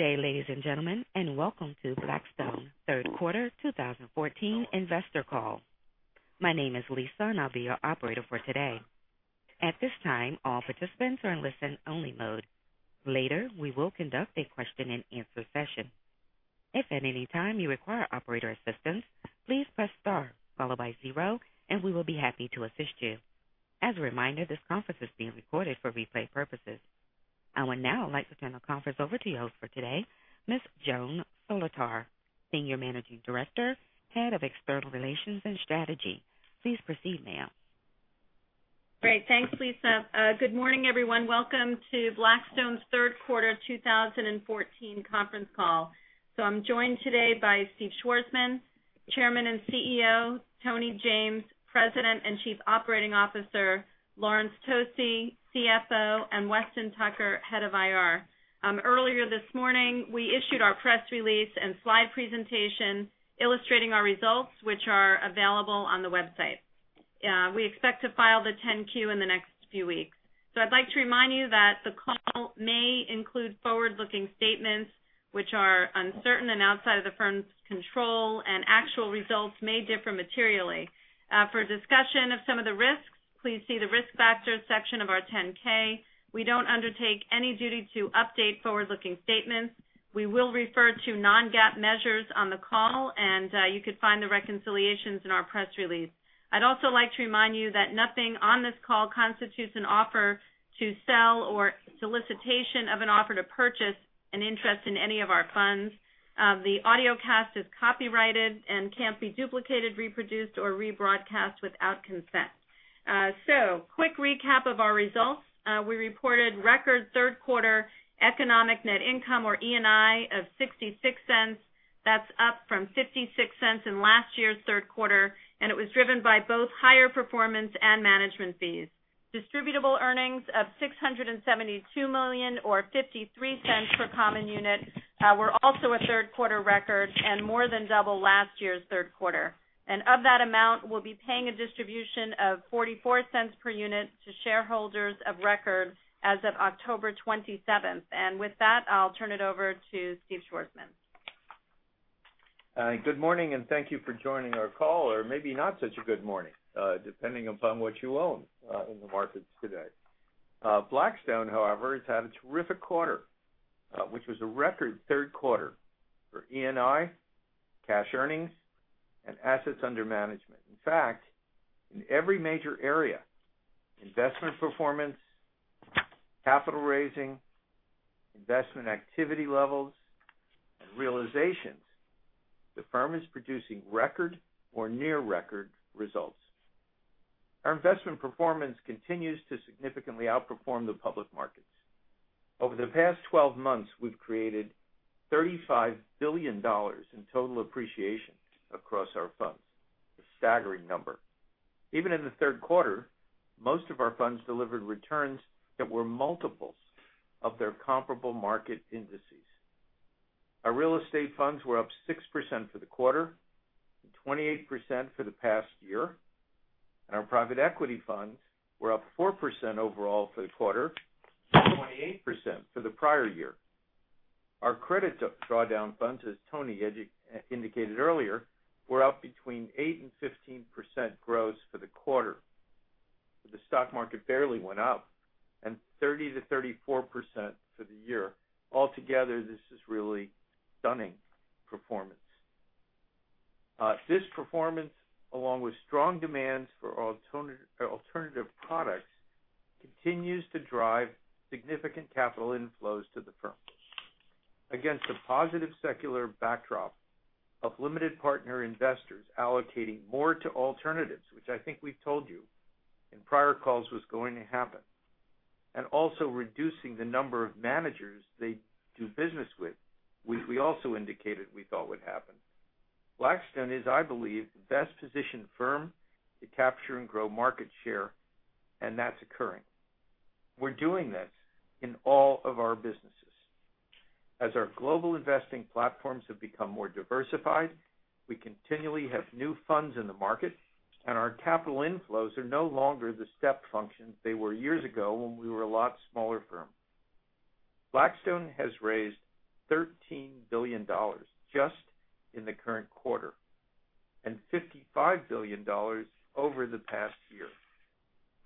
Good day, ladies and gentlemen, welcome to Blackstone's third quarter 2014 investor call. My name is Lisa, and I will be your operator for today. At this time, all participants are in listen-only mode. Later, we will conduct a question-and-answer session. If at any time you require operator assistance, please press star followed by zero, and we will be happy to assist you. As a reminder, this conference is being recorded for replay purposes. I would now like to turn the conference over to your host for today, Ms. Joan Solotar, Senior Managing Director, Head of External Relations and Strategy. Please proceed, ma'am. Great. Thanks, Lisa. Good morning, everyone. Welcome to Blackstone's third quarter 2014 conference call. I am joined today by Steve Schwarzman, Chairman and CEO, Tony James, President and Chief Operating Officer, Laurence Tosi, CFO, and Weston Tucker, Head of IR. Earlier this morning, we issued our press release and slide presentation illustrating our results, which are available on the website. We expect to file the 10-Q in the next few weeks. I would like to remind you that the call may include forward-looking statements which are uncertain and outside of the firm's control, and actual results may differ materially. For a discussion of some of the risks, please see the risk factors section of our 10-K. We do not undertake any duty to update forward-looking statements. We will refer to non-GAAP measures on the call, you could find the reconciliations in our press release. I would also like to remind you that nothing on this call constitutes an offer to sell or solicitation of an offer to purchase an interest in any of our funds. The audiocast is copyrighted and cannot be duplicated, reproduced, or rebroadcast without consent. Quick recap of our results. We reported record third quarter economic net income or ENI of $0.66. That is up from $0.56 in last year's third quarter, and it was driven by both higher performance and management fees. Distributable earnings of $672 million or $0.53 per common unit were also a third quarter record and more than double last year's third quarter. Of that amount, we will be paying a distribution of $0.44 per unit to shareholders of record as of October 27th. With that, I will turn it over to Steve Schwarzman. Good morning, thank you for joining our call, or maybe not such a good morning, depending upon what you own in the markets today. Blackstone, however, has had a terrific quarter, which was a record third quarter for ENI, cash earnings, and assets under management. In fact, in every major area, investment performance, capital raising, investment activity levels, and realizations, the firm is producing record or near record results. Our investment performance continues to significantly outperform the public markets. Over the past 12 months, we have created $35 billion in total appreciation across our funds, a staggering number. Even in the third quarter, most of our funds delivered returns that were multiples of their comparable market indices. Our real estate funds were up 6% for the quarter, 28% for the past year, and our private equity funds were up 4% overall for the quarter, 28% for the prior year. Our credit drawdown funds, as Tony indicated earlier, were up between 8% and 15% gross for the quarter, and 30%-34% for the year. The stock market barely went up. Altogether, this is really stunning performance. This performance, along with strong demands for alternative products, continues to drive significant capital inflows to the firm. Against a positive secular backdrop of limited partner investors allocating more to alternatives, which I think we've told you in prior calls was going to happen. Also reducing the number of managers they do business with, we also indicated we thought would happen. Blackstone is, I believe, the best-positioned firm to capture and grow market share, and that's occurring. We're doing this in all of our businesses. As our global investing platforms have become more diversified, we continually have new funds in the market, and our capital inflows are no longer the step function they were years ago when we were a lot smaller firm. Blackstone has raised $13 billion just in the current quarter, and $55 billion over the past year,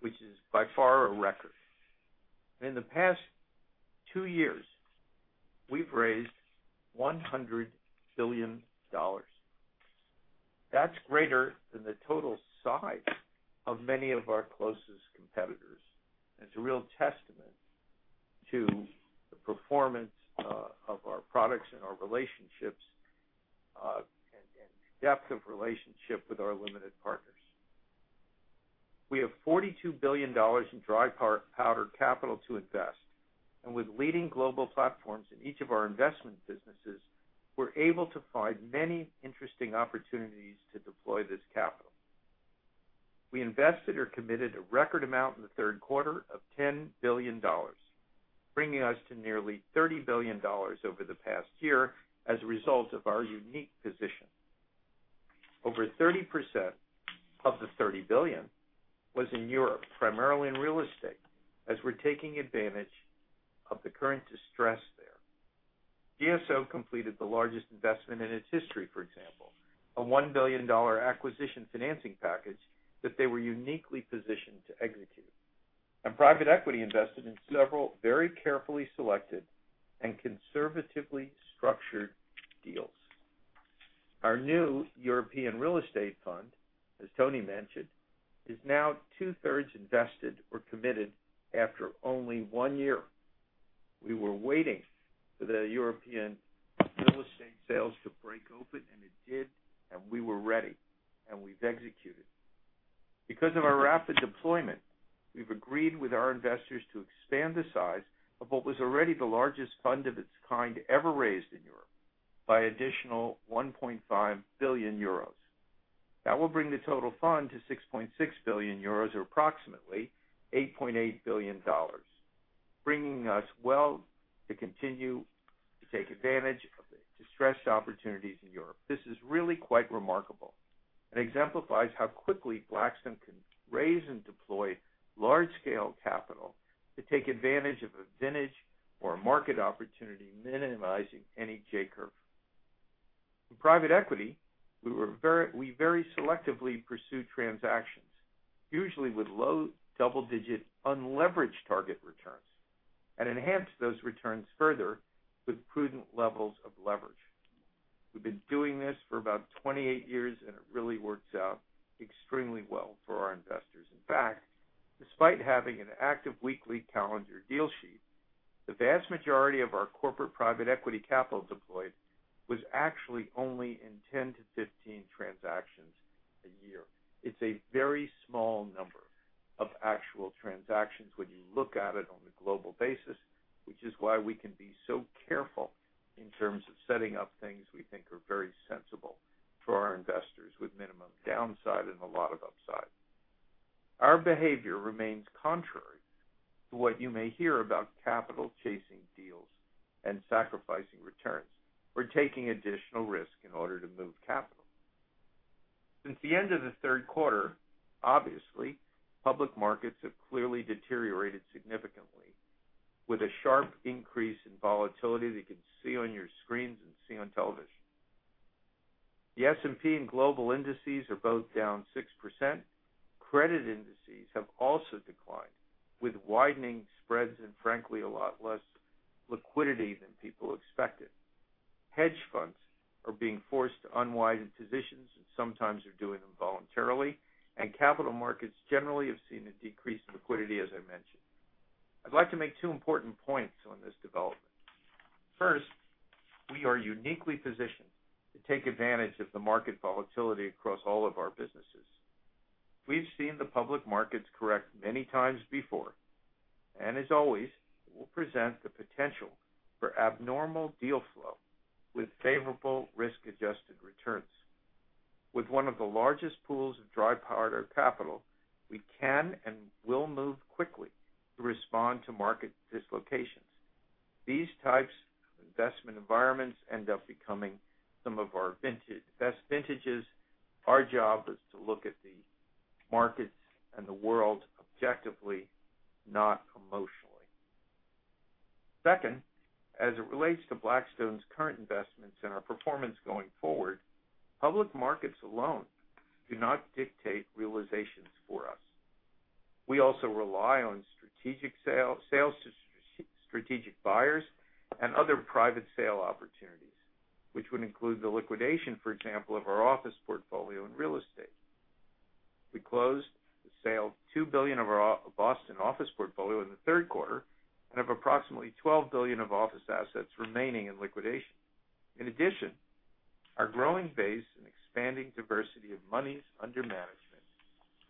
which is by far a record. In the past two years, we've raised $100 billion. That's greater than the total size of many of our closest competitors. It's a real testament to the performance of our products and our relationships, and depth of relationship with our limited partners. We have $42 billion in dry powder capital to invest, and with leading global platforms in each of our investment businesses, we're able to find many interesting opportunities to deploy this capital. We invested or committed a record amount in the third quarter of $10 billion, bringing us to nearly $30 billion over the past year as a result of our unique position. Over 30% of the $30 billion was in Europe, primarily in real estate, as we're taking advantage of the current distress there. GSO completed the largest investment in its history, for example, a $1 billion acquisition financing package that they were uniquely positioned to execute. Private equity invested in several very carefully selected and conservatively structured deals. Our new European real estate fund, as Tony mentioned, is now two-thirds invested or committed after only one year. We were waiting for the European real estate sales to break open, and it did, and we were ready, and we've executed. Because of our rapid deployment, we've agreed with our investors to expand the size of what was already the largest fund of its kind ever raised in Europe by additional €1.5 billion. That will bring the total fund to €6.6 billion, or approximately $8.8 billion, bringing us well to continue to take advantage of the distressed opportunities in Europe. This is really quite remarkable, and exemplifies how quickly Blackstone can raise and deploy large-scale capital to take advantage of a vintage or a market opportunity, minimizing any J-curve. In private equity, we very selectively pursue transactions, usually with low double-digit unleveraged target returns, and enhance those returns further with prudent levels of leverage. We've been doing this for about 28 years, and it really works out extremely well for our investors. In fact, despite having an active weekly calendar deal sheet, the vast majority of our corporate private equity capital deployed was actually only in 10 to 15 transactions a year. It's a very small number of actual transactions when you look at it on a global basis, which is why we can be so careful in terms of setting up things we think are very sensible for our investors with minimum downside and a lot of upside. Our behavior remains contrary to what you may hear about capital chasing deals and sacrificing returns or taking additional risk in order to move capital. Since the end of the third quarter, obviously, public markets have clearly deteriorated significantly with a sharp increase in volatility that you can see on your screens and see on television. The S&P and global indices are both down 6%. Credit indices have also declined, with widening spreads and frankly, a lot less liquidity than people expected. Hedge funds are being forced to unwind positions. Sometimes they're doing them voluntarily, and capital markets generally have seen a decrease in liquidity, as I mentioned. I'd like to make two important points on this development. First, we are uniquely positioned to take advantage of the market volatility across all of our businesses. We've seen the public markets correct many times before. As always, it will present the potential for abnormal deal flow with favorable risk-adjusted returns. With one of the largest pools of dry powder capital, we can and will move quickly to respond to market dislocations. These types of investment environments end up becoming some of our best vintages. Our job is to look at the markets and the world objectively, not emotionally. Second, as it relates to Blackstone's current investments and our performance going forward, public markets alone do not dictate realizations for us. We also rely on sales to strategic buyers and other private sale opportunities, which would include the liquidation, for example, of our office portfolio in real estate. We closed the sale of $2 billion of our Boston office portfolio in the third quarter and have approximately $12 billion of office assets remaining in liquidation. In addition, our growing base and expanding diversity of monies under management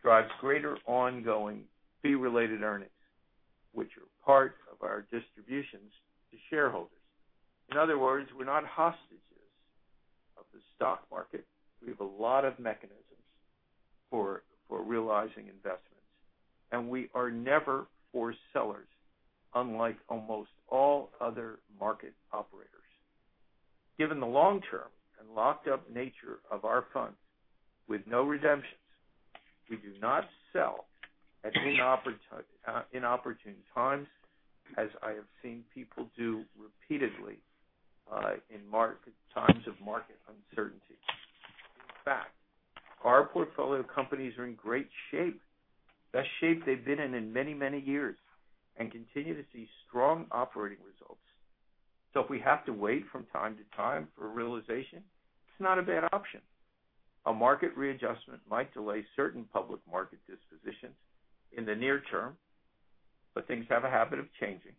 drives greater ongoing fee-related earnings, which are part of our distributions to shareholders. In other words, we're not hostages of the stock market. We have a lot of mechanisms for realizing investments. We are never forced sellers, unlike almost all other market operators. Given the long term and locked-up nature of our funds with no redemptions, we do not sell at inopportune times as I have seen people do repeatedly in times of market uncertainty. In fact, our portfolio companies are in great shape, best shape they've been in in many, many years. Continue to see strong operating results. If we have to wait from time to time for realization, it's not a bad option. A market readjustment might delay certain public market dispositions in the near term, but things have a habit of changing.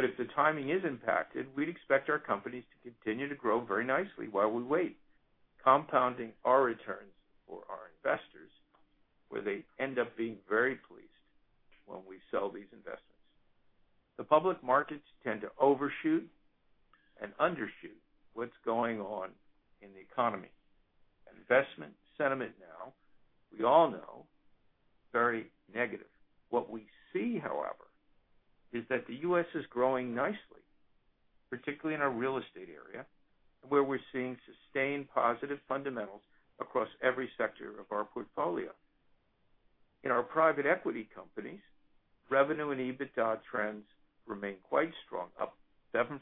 If the timing is impacted, we'd expect our companies to continue to grow very nicely while we wait, compounding our returns for our investors, where they end up being very pleased when we sell these investments. The public markets tend to overshoot and undershoot what's going on in the economy. Investment sentiment now, we all know Very negative. What we see, however, is that the U.S. is growing nicely, particularly in our real estate area, where we're seeing sustained positive fundamentals across every sector of our portfolio. In our private equity companies, revenue and EBITDA trends remain quite strong, up 7%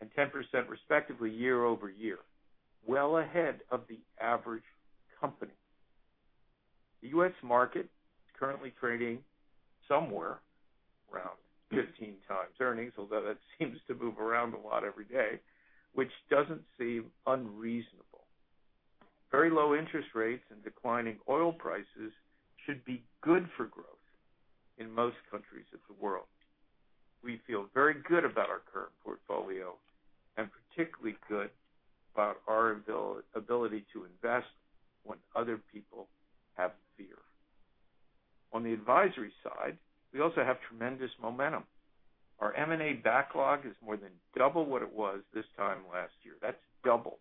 and 10% respectively year-over-year, well ahead of the average company. The U.S. market is currently trading somewhere around 15 times earnings, although that seems to move around a lot every day, which doesn't seem unreasonable. Very low interest rates and declining oil prices should be good for growth in most countries of the world. We feel very good about our current portfolio, and particularly good about our ability to invest when other people have fear. On the advisory side, we also have tremendous momentum. Our M&A backlog is more than double what it was this time last year. That's double.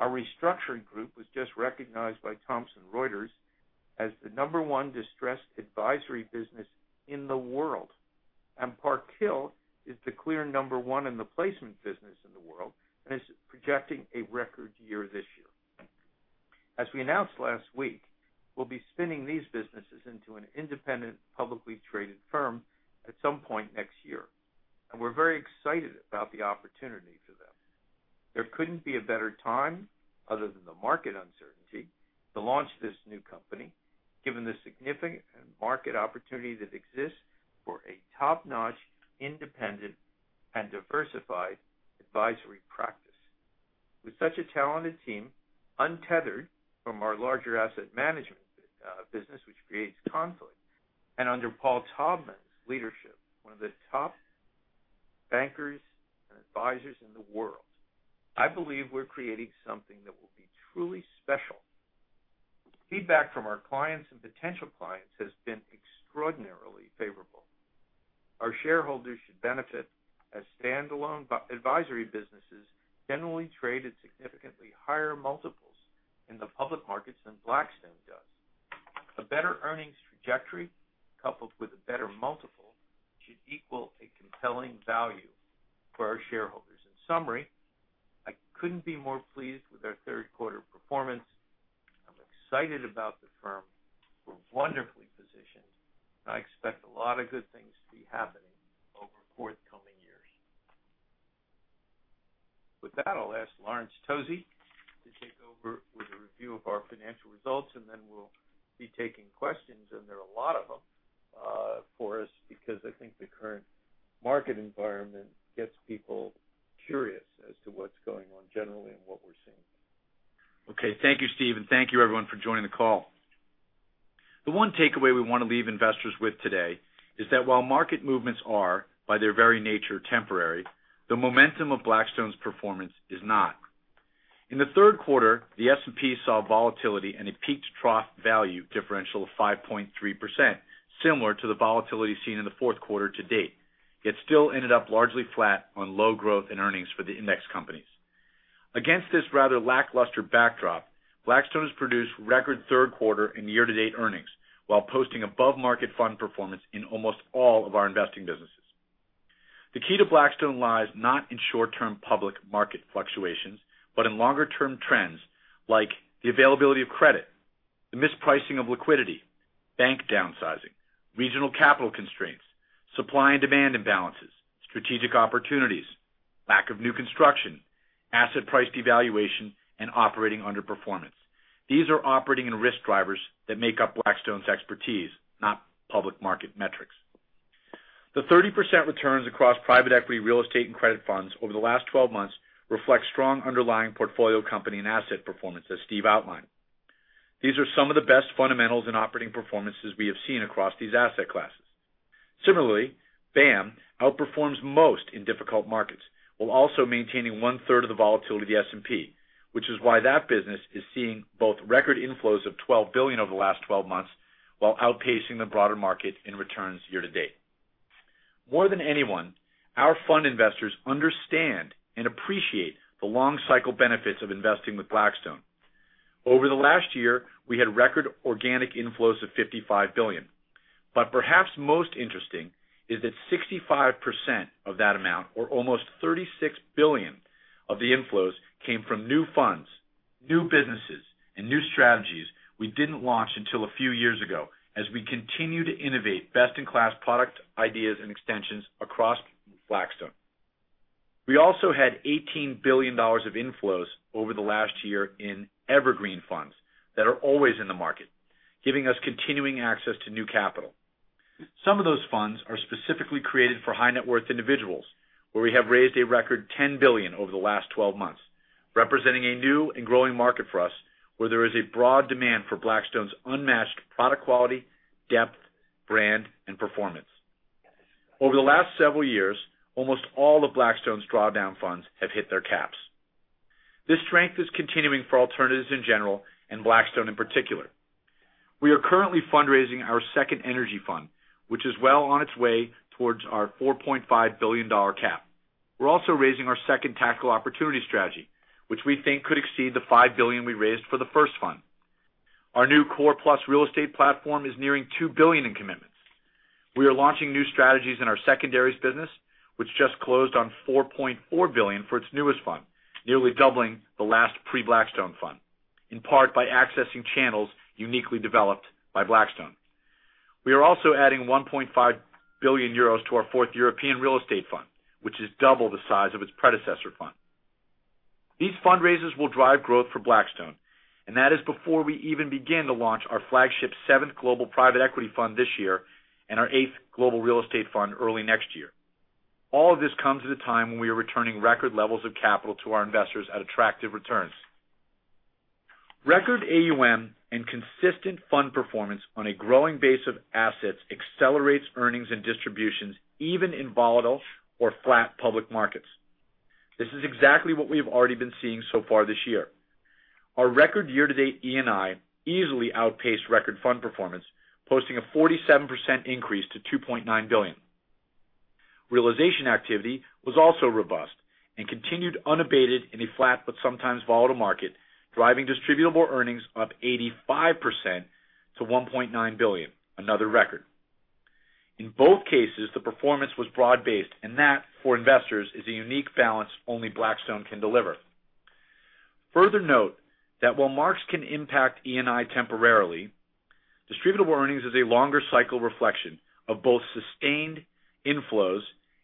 Our restructuring group was just recognized by Thomson Reuters as the number one distressed advisory business in the world, and Park Hill is the clear number one in the placement business in the world and is projecting a record year this year. As we announced last week, we'll be spinning these businesses into an independent, publicly traded firm at some point next year, and we're very excited about the opportunity for them. There couldn't be a better time, other than the market uncertainty, to launch this new company, given the significant market opportunity that exists for a top-notch, independent, and diversified advisory practice. With such a talented team, untethered from our larger asset management business, which creates conflict, and under Paul Taubman's leadership, one of the top bankers and advisors in the world, I believe we're creating something that will be truly special. Feedback from our clients and potential clients has been extraordinarily favorable. Our shareholders should benefit as standalone advisory businesses generally trade at significantly higher multiples in the public markets than Blackstone does. A better earnings trajectory coupled with a better multiple should equal a compelling value for our shareholders. In summary, I couldn't be more pleased with our third quarter performance. I'm excited about the firm. We're wonderfully positioned, and I expect a lot of good things to be happening over forthcoming years. With that, I'll ask Laurence Tosi to take over with a review of our financial results. Then we'll be taking questions, and there are a lot of them for us because I think the current market environment gets people curious as to what's going on generally and what we're seeing. Okay. Thank you, Steve, and thank you everyone for joining the call. The one takeaway we want to leave investors with today is that while market movements are, by their very nature, temporary, the momentum of Blackstone's performance is not. In the third quarter, the S&P saw volatility and a peak-to-trough value differential of 5.3%, similar to the volatility seen in the fourth quarter to date. It still ended up largely flat on low growth and earnings for the index companies. Against this rather lackluster backdrop, Blackstone has produced record third quarter and year-to-date earnings while posting above-market fund performance in almost all of our investing businesses. The key to Blackstone lies not in short-term public market fluctuations, but in longer-term trends like the availability of credit, the mispricing of liquidity, bank downsizing, regional capital constraints, supply and demand imbalances, strategic opportunities, lack of new construction, asset price devaluation, and operating underperformance. These are operating and risk drivers that make up Blackstone's expertise, not public market metrics. The 30% returns across private equity, real estate, and credit funds over the last 12 months reflect strong underlying portfolio company and asset performance, as Steve outlined. These are some of the best fundamentals in operating performances we have seen across these asset classes. Similarly, BAAM outperforms most in difficult markets while also maintaining one-third of the volatility of the S&P, which is why that business is seeing both record inflows of $12 billion over the last 12 months while outpacing the broader market in returns year to date. More than anyone, our fund investors understand and appreciate the long cycle benefits of investing with Blackstone. Over the last year, we had record organic inflows of $55 billion. Perhaps most interesting is that 65% of that amount, or almost $36 billion of the inflows, came from new funds, new businesses, and new strategies we didn't launch until a few years ago, as we continue to innovate best-in-class product ideas and extensions across Blackstone. We also had $18 billion of inflows over the last year in evergreen funds that are always in the market, giving us continuing access to new capital. Some of those funds are specifically created for high-net-worth individuals, where we have raised a record $10 billion over the last 12 months, representing a new and growing market for us where there is a broad demand for Blackstone's unmatched product quality, depth, brand, and performance. Over the last several years, almost all of Blackstone's drawdown funds have hit their caps. This strength is continuing for alternatives in general and Blackstone in particular. We are currently fundraising our second energy fund, which is well on its way towards our $4.5 billion cap. We're also raising our second tactical opportunity strategy, which we think could exceed the $5 billion we raised for the first fund. Our new core plus real estate platform is nearing $2 billion in commitments. We are launching new strategies in our secondaries business, which just closed on $4.4 billion for its newest fund, nearly doubling the last pre-Blackstone fund, in part by accessing channels uniquely developed by Blackstone. We are also adding €1.5 billion to our fourth European Real Estate fund, which is double the size of its predecessor fund. These fundraisers will drive growth for Blackstone. That is before we even begin to launch our flagship seventh global private equity fund this year and our eighth global real estate fund early next year. All of this comes at a time when we are returning record levels of capital to our investors at attractive returns. Record AUM and consistent fund performance on a growing base of assets accelerates earnings and distributions even in volatile or flat public markets. This is exactly what we have already been seeing so far this year. Our record year-to-date ENI easily outpaced record fund performance, posting a 47% increase to $2.9 billion. Realization activity was also robust and continued unabated in a flat but sometimes volatile market, driving distributable earnings up 85% to $1.9 billion, another record. In both cases, the performance was broad-based. That, for investors, is a unique balance only Blackstone can deliver. Further note that while marks can impact ENI temporarily, distributable earnings is a longer cycle reflection of both sustained inflows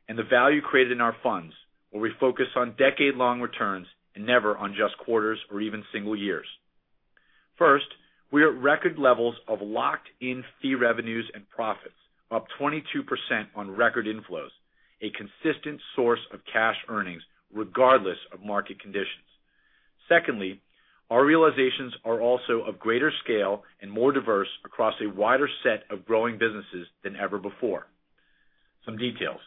and the value created in our funds, where we focus on decade-long returns and never on just quarters or even single years. First, we are at record levels of locked-in fee revenues and profits, up 22% on record inflows, a consistent source of cash earnings regardless of market conditions. Secondly, our realizations are also of greater scale and more diverse across a wider set of growing businesses than ever before. Some details.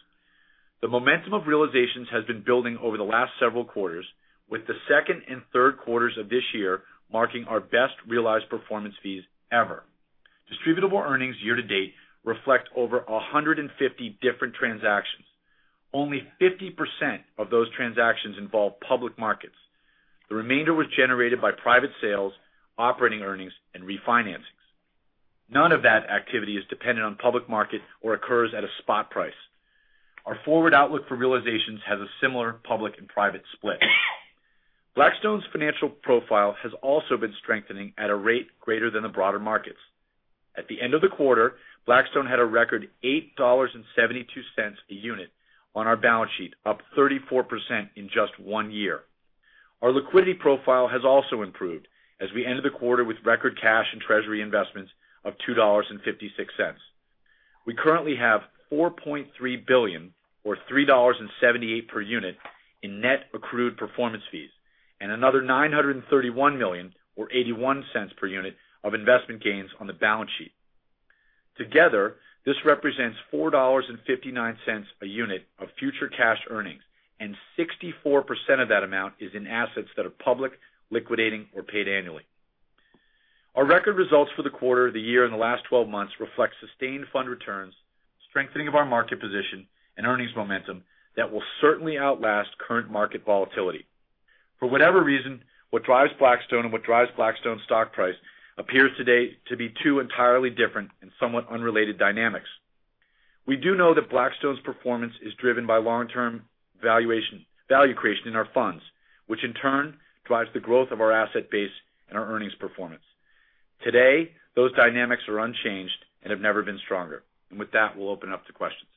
The momentum of realizations has been building over the last several quarters, with the second and third quarters of this year marking our best realized performance fees ever. Distributable earnings year to date reflect over 150 different transactions. Only 50% of those transactions involve public markets. The remainder was generated by private sales, operating earnings, and refinancings. None of that activity is dependent on public market or occurs at a spot price. Our forward outlook for realizations has a similar public and private split. Blackstone's financial profile has also been strengthening at a rate greater than the broader markets. At the end of the quarter, Blackstone had a record $8.72 a unit on our balance sheet, up 34% in just one year. Our liquidity profile has also improved as we ended the quarter with record cash and treasury investments of $2.56. We currently have $4.3 billion, or $3.78 per unit, in net accrued performance fees and another $931 million, or $0.81 per unit, of investment gains on the balance sheet. Together, this represents $4.59 a unit of future cash earnings. 64% of that amount is in assets that are public, liquidating or paid annually. Our record results for the quarter, the year, and the last 12 months reflect sustained fund returns, strengthening of our market position, and earnings momentum that will certainly outlast current market volatility. For whatever reason, what drives Blackstone and what drives Blackstone's stock price appears today to be two entirely different and somewhat unrelated dynamics. We do know that Blackstone's performance is driven by long-term value creation in our funds, which in turn drives the growth of our asset base and our earnings performance. Today, those dynamics are unchanged and have never been stronger. With that, we'll open up to questions.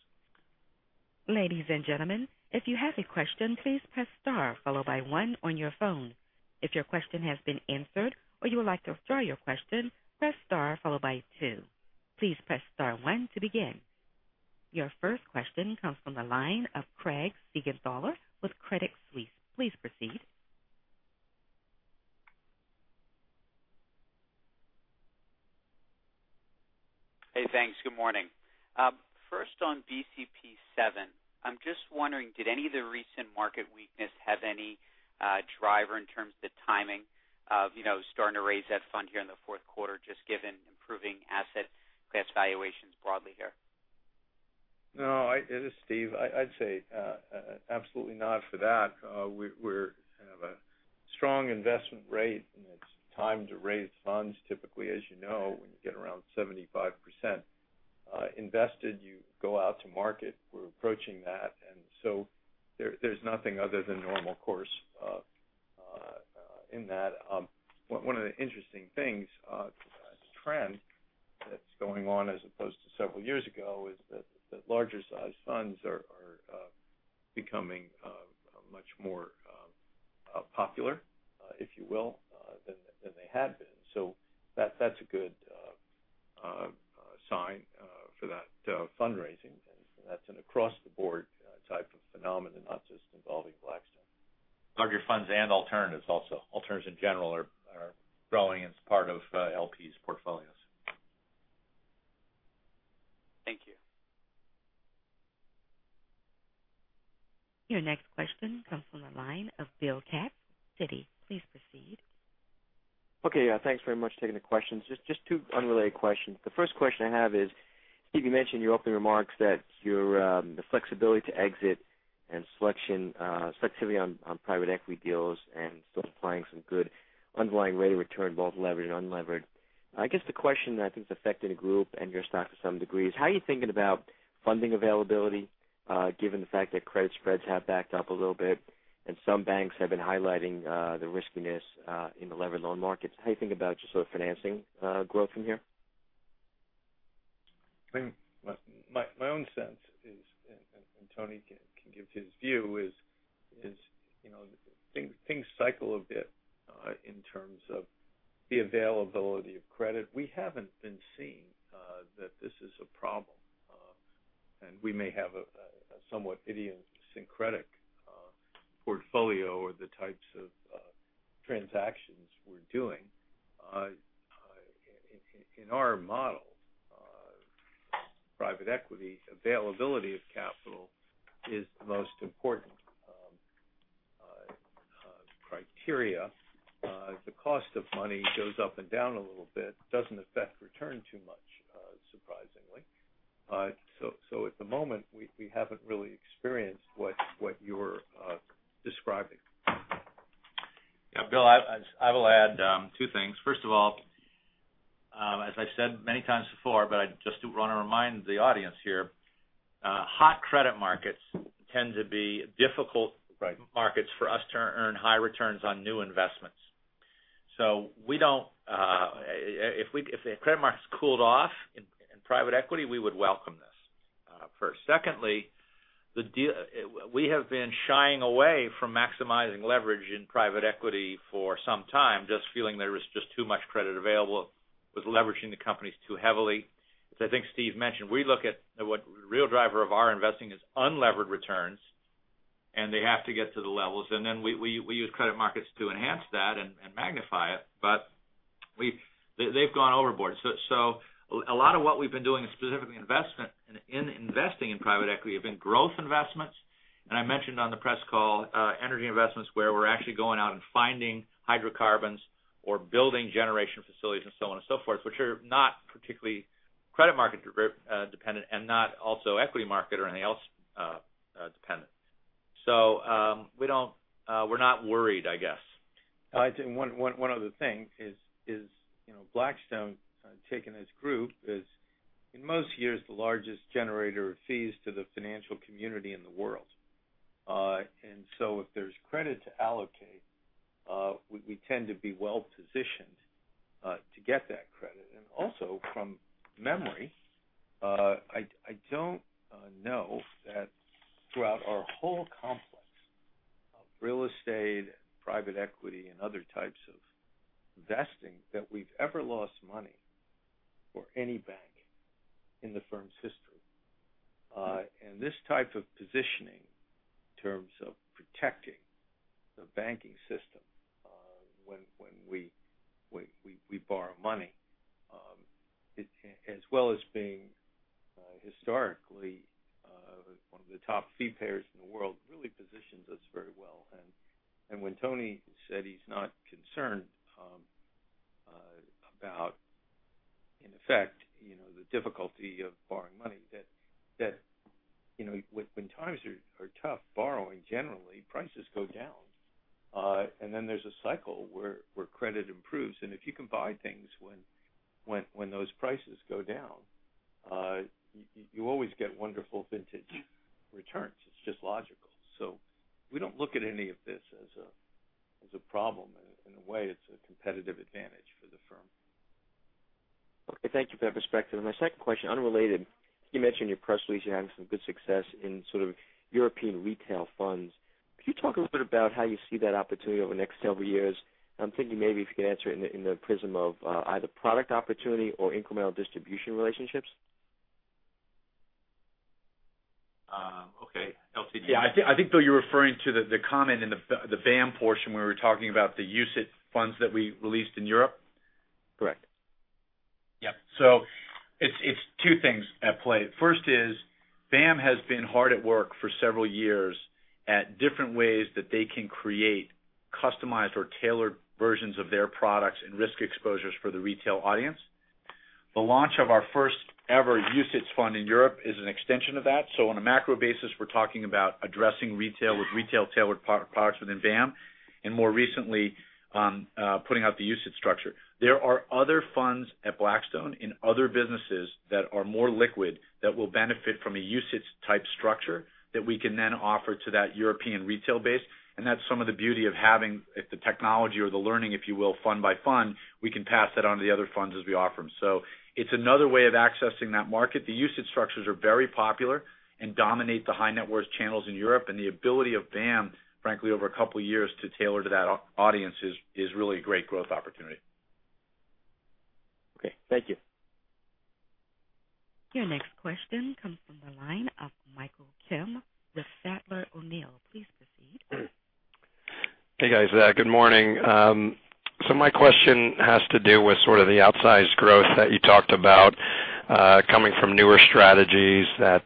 Ladies and gentlemen, if you have a question, please press star followed by one on your phone. If your question has been answered or you would like to withdraw your question, press star followed by two. Please press star one to begin. Your first question comes from the line of Craig Siegenthaler with Credit Suisse. Please proceed. Hey, thanks. Good morning. First on BCP VII, I'm just wondering, did any of the recent market weakness have any driver in terms of the timing of starting to raise that fund here in the fourth quarter, just given improving asset class valuations broadly here? No, this is Steve. I'd say absolutely not for that. We have a strong investment rate, and it's time to raise funds. Typically, as you know, when you get around 75% invested, you go out to market. We're approaching that, and so there's nothing other than normal course in that. One of the interesting things, trends that's going on as opposed to several years ago, is that larger sized funds are becoming much more popular, if you will, than they had been. That's a good sign for that fundraising. That's an across-the-board type of phenomenon, not just involving Blackstone. Larger funds and alternatives also. Alternatives in general are growing as part of LP's portfolios. Thank you. Your next question comes from the line of Bill Katz, Citi. Please proceed. Okay. Thanks very much for taking the questions. Just two unrelated questions. The first question I have is, Steve, you mentioned in your opening remarks that the flexibility to exit up and down a little bit, it doesn't affect return too much, surprisingly. At the moment, we haven't really experienced what you're describing. Yeah, Bill, I will add two things. First of all, as I've said many times before, but I just want to remind the audience here, hot credit markets tend to be difficult- Right markets for us to earn high returns on new investments. If the credit markets cooled off in private equity, we would welcome this first. Secondly, we have been shying away from maximizing leverage in private equity for some time, just feeling there was just too much credit available, was leveraging the companies too heavily. As I think Steve mentioned, we look at what real driver of our investing is unlevered returns, and they have to get to the levels, and then we use credit markets to enhance that and magnify it. They've gone overboard. A lot of what we've been doing specifically in investing in private equity have been growth investments. I mentioned on the press call, energy investments where we're actually going out and finding hydrocarbons or building generation facilities and so on and so forth, which are not particularly credit market dependent and not also equity market or anything else dependent. We're not worried, I guess. One other thing is Blackstone taken as group is in most years the largest generator of fees to the financial community in the world. If there's credit to allocate, we tend to be well-positioned to get that credit. From memory, I don't know that throughout our whole complex of real estate, private equity, and other types of investing that we've ever lost money for any bank in the firm's history. This type of positioning in terms of protecting the banking system, when we borrow money, as well as being historically one of the top fee payers in the world really positions us very well. When Tony said he's not concerned about, in effect, the difficulty of borrowing money that when times are tough borrowing, generally prices go down. there's a cycle where credit improves, and if you can buy things when those prices go down, you always get wonderful vintage returns. It's just logical. We don't look at any of this as a problem. In a way, it's a competitive advantage for the firm. Okay, thank you for that perspective. My second question, unrelated. You mentioned in your press release you're having some good success in European retail funds. Could you talk a little bit about how you see that opportunity over the next several years? I'm thinking maybe if you could answer it in the prism of either product opportunity or incremental distribution relationships. Okay, LTC. Yeah, I think, Bill, you're referring to the comment in the BAAM portion where we were talking about the UCITS funds that we released in Europe. Correct. Yep. It's two things at play. First is BAAM has been hard at work for several years at different ways that they can create customized or tailored versions of their products and risk exposures for the retail audience. The launch of our first-ever UCITS fund in Europe is an extension of that. On a macro basis, we're talking about addressing retail with retail-tailored products within BAAM, and more recently, putting out the UCITS structure. There are other funds at Blackstone in other businesses that are more liquid that will benefit from a UCITS type structure that we can then offer to that European retail base. That's some of the beauty of having the technology or the learning, if you will, fund by fund, we can pass that on to the other funds as we offer them. It's another way of accessing that market. The UCITS structures are very popular and dominate the high net worth channels in Europe. The ability of BAAM, frankly, over a couple of years to tailor to that audience is really a great growth opportunity. Okay, thank you. Your next question comes from the line of Michael Kim with Sandler O'Neill. Please proceed. Hey, guys. Good morning. My question has to do with sort of the outsized growth that you talked about coming from newer strategies that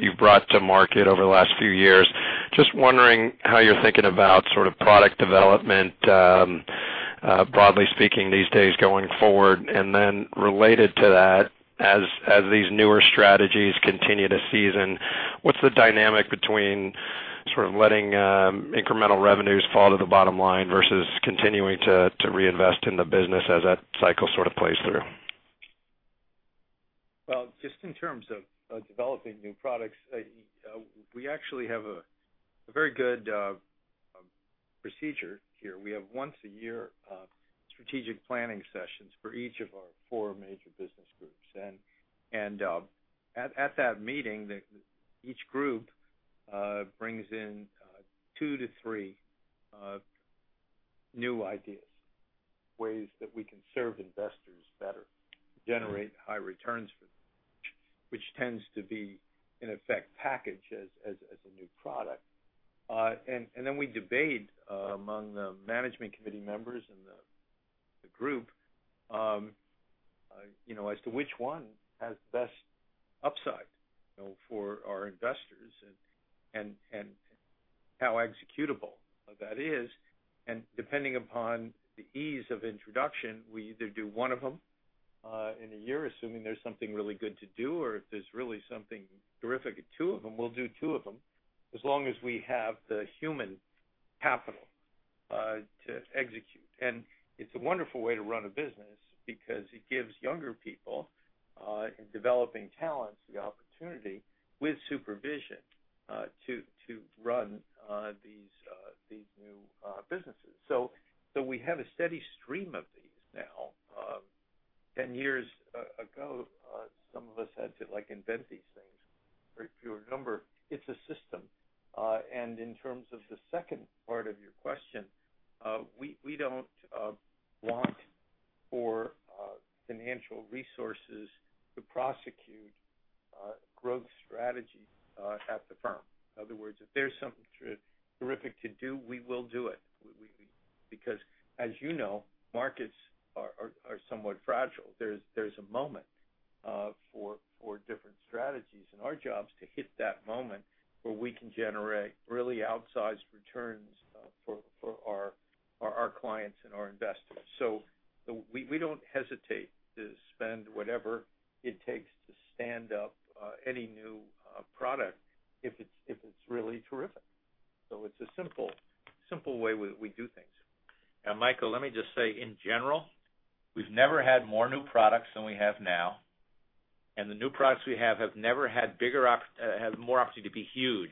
you've brought to market over the last few years. Just wondering how you're thinking about product development, broadly speaking, these days going forward. Related to that, as these newer strategies continue to season, what's the dynamic between sort of letting incremental revenues fall to the bottom line versus continuing to reinvest in the business as that cycle sort of plays through? Well, just in terms of developing new products, we actually have a very good procedure here. We have once a year, strategic planning sessions for each of our four major business groups. At that meeting, each group brings in two to three new ideas, ways that we can serve investors better, generate high returns for them. Which tends to be, in effect, packaged as a new product. We debate among the management committee members and the group, as to which one has the best upside for our investors, and how executable that is. Depending upon the ease of introduction, we either do one of them in a year, assuming there's something really good to do, or if there's really something terrific at two of them, we'll do two of them, as long as we have the human capital to execute. It's a wonderful way to run a business because it gives younger people and developing talents the opportunity, with supervision, to run these new businesses. We have a steady stream of these now. 10 years ago, some of us had to invent these things. Very few in number. It's a system. In terms of the second part of your question, we don't want for financial resources to prosecute growth strategies at the firm. In other words, if there's something terrific to do, we will do it. As you know, markets are somewhat fragile. There's a moment for different strategies, and our job's to hit that moment where we can generate really outsized returns for our clients and our investors. We don't hesitate to spend whatever it takes to stand up any new product if it's really terrific. It's a simple way we do things. Michael, let me just say, in general, we've never had more new products than we have now, and the new products we have never had more opportunity to be huge,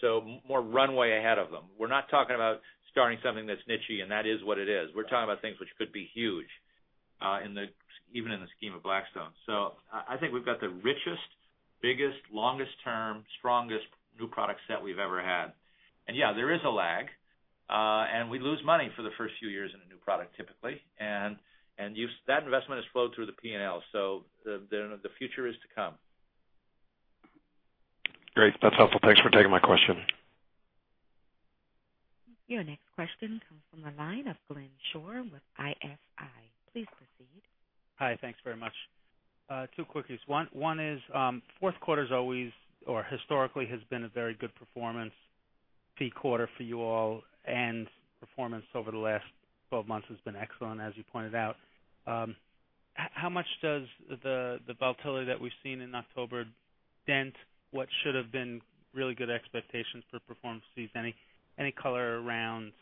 so more runway ahead of them. We're not talking about starting something that's niche, and that is what it is. We're talking about things which could be huge even in the scheme of Blackstone. I think we've got the richest, biggest, longest term, strongest new product set we've ever had. Yeah, there is a lag, and we lose money for the first few years in a new product, typically. That investment is flowed through the P&L. The future is to come. Great. That's helpful. Thanks for taking my question. Your next question comes from the line of Glenn Schorr with ISI. Please proceed. Hi, thanks very much. Two quickies. One is, fourth quarter historically has been a very good performance fee quarter for you all. Performance over the last 12 months has been excellent, as you pointed out. How much does the volatility that we've seen in October dent what should have been really good expectations for performance fees? Any color around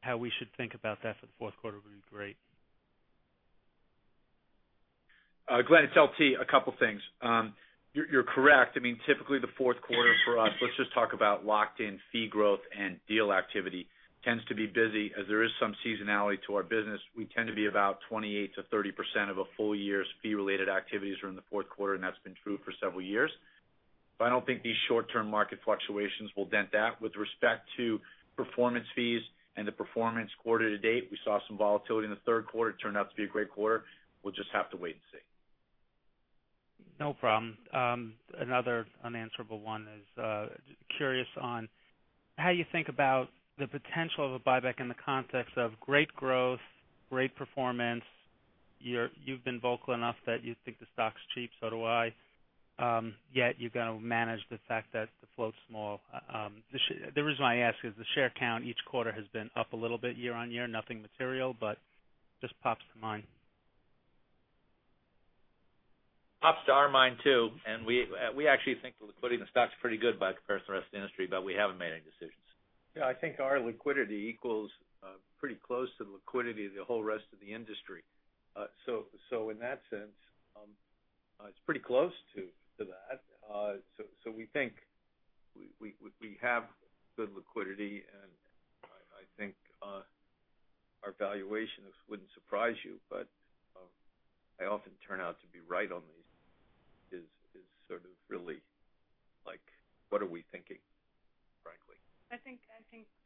how we should think about that for the fourth quarter would be great. Glenn, it's LT. A couple things. You're correct. Typically the fourth quarter for us, let's just talk about locked-in fee growth and deal activity tends to be busy as there is some seasonality to our business. We tend to be about 28%-30% of a full year's fee related activities are in the fourth quarter. That's been true for several years. I don't think these short-term market fluctuations will dent that. With respect to performance fees and the performance quarter to date, we saw some volatility in the third quarter. It turned out to be a great quarter. We'll just have to wait and see. No problem. Another unanswerable one is, just curious on how you think about the potential of a buyback in the context of great growth, great performance. You've been vocal enough that you think the stock's cheap. Do I. You've got to manage the fact that the float's small. The reason why I ask is the share count each quarter has been up a little bit year on year. Nothing material, but just pops to mind. Pops to our mind too, and we actually think the liquidity in the stock's pretty good compared to the rest of the industry, but we haven't made any decisions. Yeah, I think our liquidity equals pretty close to the liquidity of the whole rest of the industry. In that sense, it's pretty close to that. We think we have good liquidity, and I think our valuations wouldn't surprise you, but I often turn out to be right on these, is sort of really, what are we thinking, frankly? I think,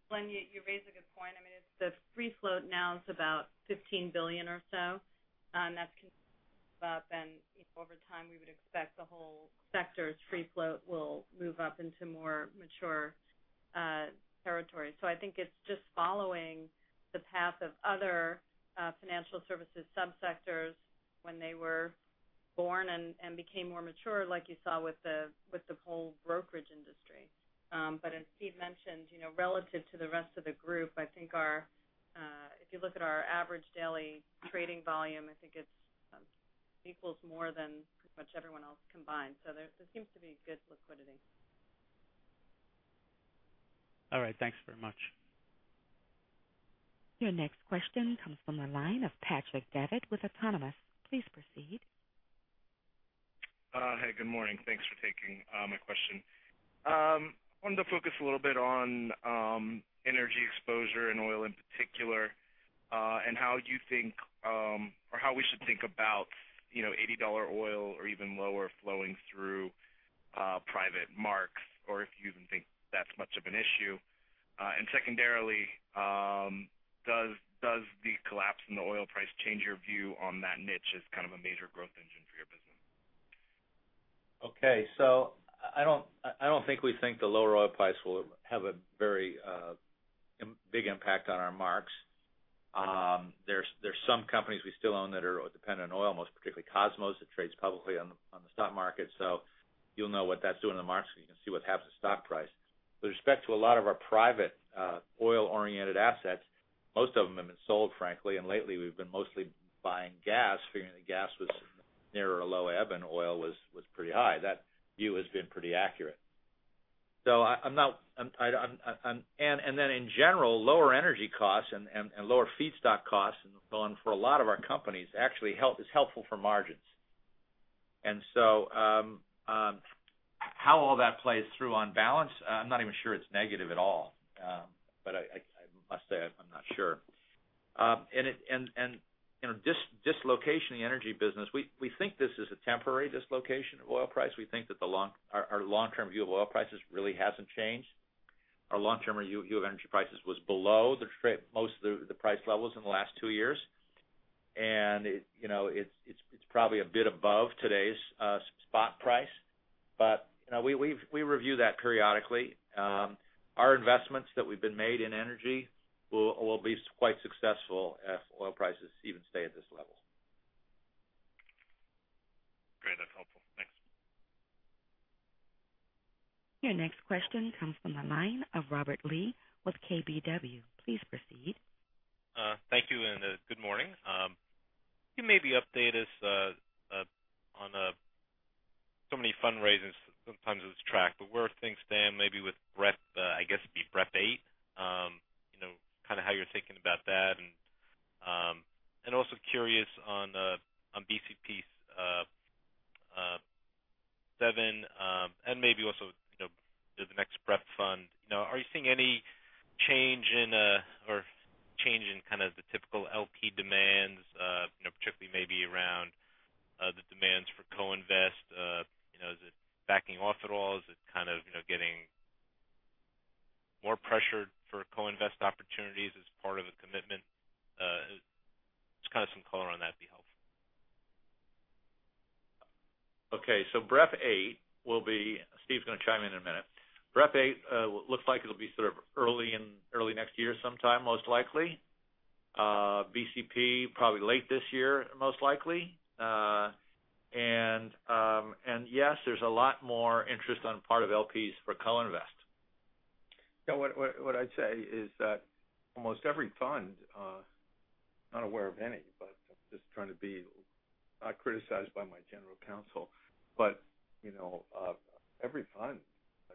Glenn, you raise a good point. The free float now is about $15 billion or so. That's about been equal time we would expect the whole sector's free float will move up into more mature territory. I think it's just following the path of other financial services sub-sectors when they were born and became more mature, like you saw with the whole brokerage industry. As Steve mentioned, relative to the rest of the group, if you look at our average daily trading volume, I think it equals more than pretty much everyone else combined. There seems to be good liquidity. All right. Thanks very much. Your next question comes from the line of Patrick Davitt with Autonomous. Please proceed. Hey, good morning. Thanks for taking my question. I wanted to focus a little bit on energy exposure, and oil in particular, and how we should think about $80 oil or even lower flowing through private marks, or if you even think that's much of an issue. Secondarily, does the collapse in the oil price change your view on that niche as kind of a major growth engine for your business? Okay. I don't think we think the lower oil price will have a very big impact on our marks. There's some companies we still own that are dependent on oil, most particularly Kosmos, that trades publicly on the stock market. You'll know what that's doing in the market, because you can see what happens to stock price. With respect to a lot of our private oil-oriented assets, most of them have been sold, frankly. Lately, we've been mostly buying gas, figuring that gas was near a low ebb and oil was pretty high. That view has been pretty accurate. Then in general, lower energy costs and lower feedstock costs for a lot of our companies actually is helpful for margins. So how all that plays through on balance, I'm not even sure it's negative at all. I must say, I'm not sure. Dislocation in the energy business, we think this is a temporary dislocation of oil price. We think that our long-term view of oil prices really hasn't changed. Our long-term view of energy prices was below most of the price levels in the last two years, and it's probably a bit above today's spot price. But we review that periodically. Our investments that we've been made in energy will be quite successful if oil prices even stay at this level. Great. That's helpful. Thanks. Your next question comes from the line of Robert Lee with KBW. Please proceed. Thank you. Good morning. Can you maybe update us on so many fundraisings, sometimes it's tracked, but where things stand maybe with BREP, I guess it'd be BREP VIII? Kind of how you're thinking about that, and also curious on BCP VII, and maybe also the next BREP fund. Are you seeing any change in the typical LP demands, particularly maybe around the demands for co-invest? Is it backing off at all? Is it getting more pressure for co-invest opportunities as part of a commitment? Just kind of some color on that would be helpful. Steve's going to chime in in a minute. BREP VIII looks like it'll be sort of early next year sometime, most likely. BCP, probably late this year, most likely. Yes, there's a lot more interest on part of LPs for co-invest. Yeah, what I'd say is that almost every fund, not aware of any, but I'm just trying to not be criticized by my general counsel. Every fund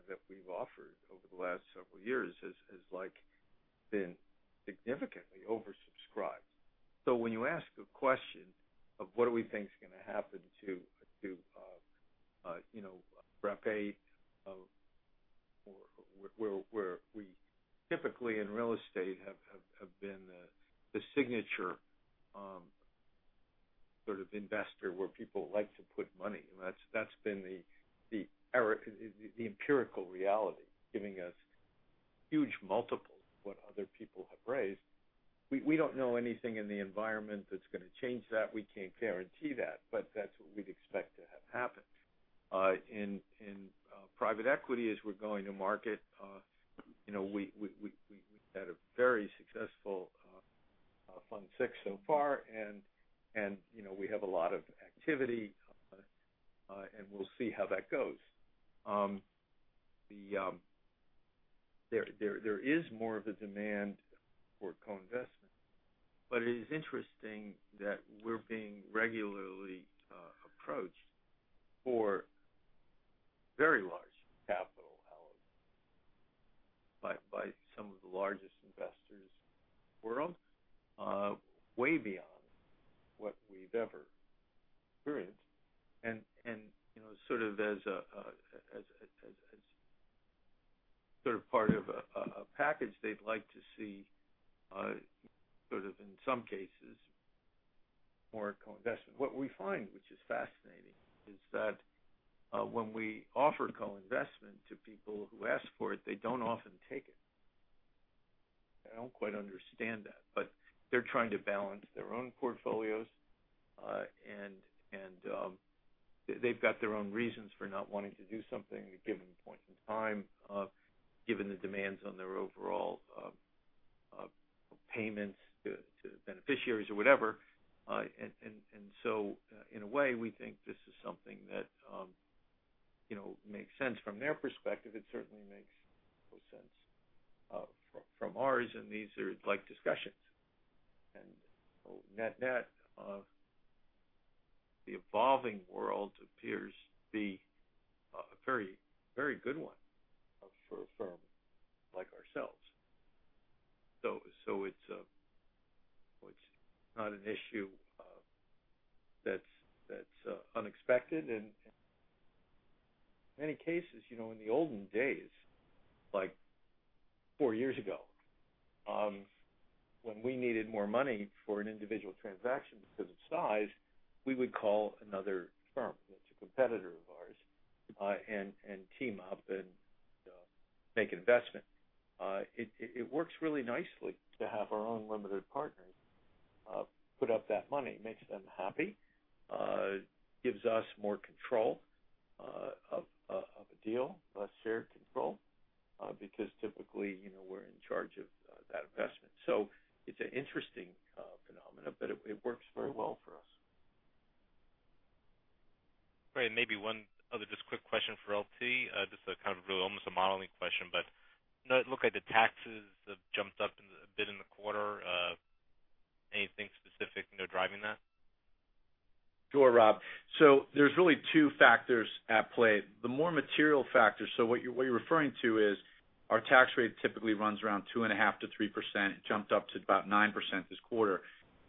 that we've offered over the last several years has been significantly oversubscribed. When you ask a question of what do we think is going to happen to BREP VIII, where we typically in real estate have been the signature sort of investor where people like to put money. That's been the empirical reality, giving us huge multiples of what other people have raised. We don't know anything in the environment that's going to change that. We can't guarantee that, but that's what we'd expect to have happen. In private equity, as we're going to market, we've had a very successful Fund VI so far, and we have a lot of activity, and we'll see how that goes. There is more of a demand for co-investment, but it is interesting that we're being regularly approached for very large capital outlets by some of the largest investors in the world, way beyond what we've ever experienced. Sort of as part of a package they'd like to see, in some cases, more co-investment. What we find, which is fascinating, is that when we offer co-investment to people who ask for it, they don't often take it. I don't quite understand that, but they're trying to balance their own portfolios, and they've got their own reasons for not wanting to do something at a given point in time, given the demands on their overall payments to beneficiaries or whatever. In a way, we think this is something that makes sense from their perspective. It certainly makes sense from ours, and these are discussions. Net, the evolving world appears to be a very good one for a firm like ourselves. It's not an issue that's unexpected. In many cases, in the olden days, like four years ago, when we needed more money for an individual transaction because of size, we would call another firm that's a competitor of ours, and team up and make an investment. It works really nicely to have our own limited partners put up that money. Makes them happy, gives us more control of a deal, a shared control, because typically, we're in charge of that investment. It's an interesting phenomenon, but it works very well for us. Great. Maybe one other just quick question for LT. Just kind of really almost a modeling question, but it looks like the taxes have jumped up a bit in the quarter. Anything specific driving that? Sure, Rob. There's really two factors at play. The more material factor, what you're referring to is our tax rate typically runs around 2.5% to 3%. It jumped up to about 9% this quarter.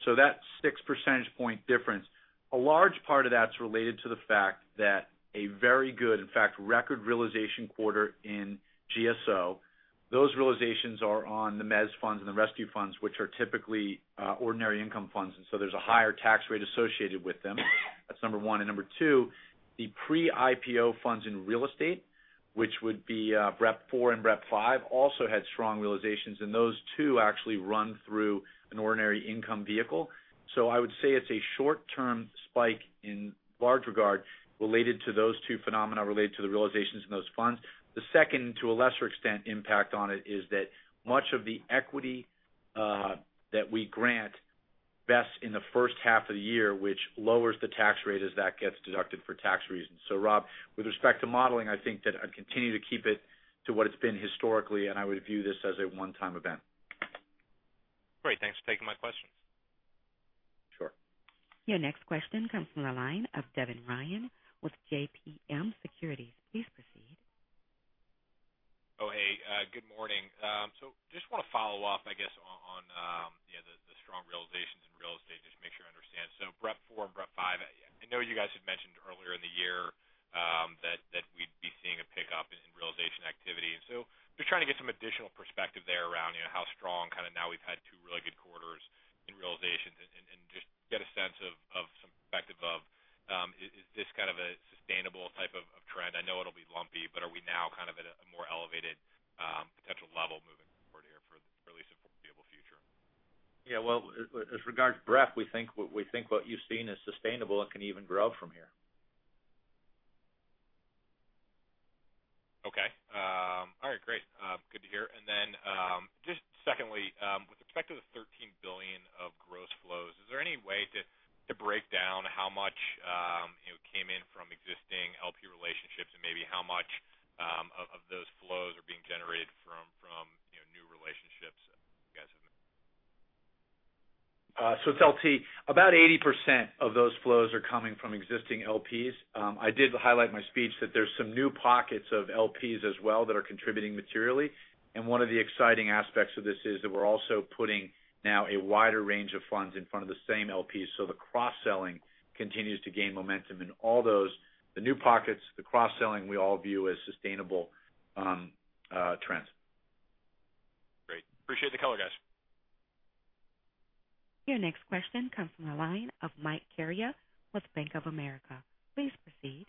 That six percentage point difference, a large part of that's related to the fact that a very good, in fact, record realization quarter in GSO. Those realizations are on the Mezzanine funds and the rescue funds, which are typically ordinary income funds, there's a higher tax rate associated with them. That's number one. Number two, the pre-IPO funds in real estate, which would be BREP IV and BREP V, also had strong realizations, those two actually run through an ordinary income vehicle. I would say it's a short-term spike in large regard related to those two phenomena related to the realizations in those funds. The second, to a lesser extent, impact on it is that much of the equity that we grant vests in the first half of the year, which lowers the tax rate as that gets deducted for tax reasons. Rob, with respect to modeling, I think that I'd continue to keep it to what it's been historically, and I would view this as a one-time event. Great. Thanks for taking my questions. Sure. Your next question comes from the line of Devin Ryan with JMP Securities. Please proceed. Oh, hey. Good morning. Just want to follow up, I guess, on the strong realizations in real estate, just make sure I understand. BREP IV and BREP V, I know you guys had mentioned earlier in the year that we'd be seeing a pickup in realization activity. Just trying to get some additional perspective there around how strong, kind of now we've had two really good quarters in realizations, and just get a sense of some perspective of is this kind of a sustainable type of trend? I know it'll be lumpy, but are we now kind of at a more elevated potential level moving forward here for at least the foreseeable future? Yeah. Well, as regards BREP, we think what you've seen is sustainable and can even grow from here. Okay. All right, great. Good to hear. Just secondly, with respect to the $13 billion of gross flows, is there any way to break down how much came in from existing LP relationships and maybe how much of those flows are being generated from new relationships you guys have made? It's LT. About 80% of those flows are coming from existing LPs. I did highlight in my speech that there's some new pockets of LPs as well that are contributing materially, and one of the exciting aspects of this is that we're also putting now a wider range of funds in front of the same LPs. The cross-selling continues to gain momentum. All those, the new pockets, the cross-selling, we all view as sustainable trends. Great. Appreciate the color, guys. Your next question comes from the line of Mike Carrier with Bank of America. Please proceed.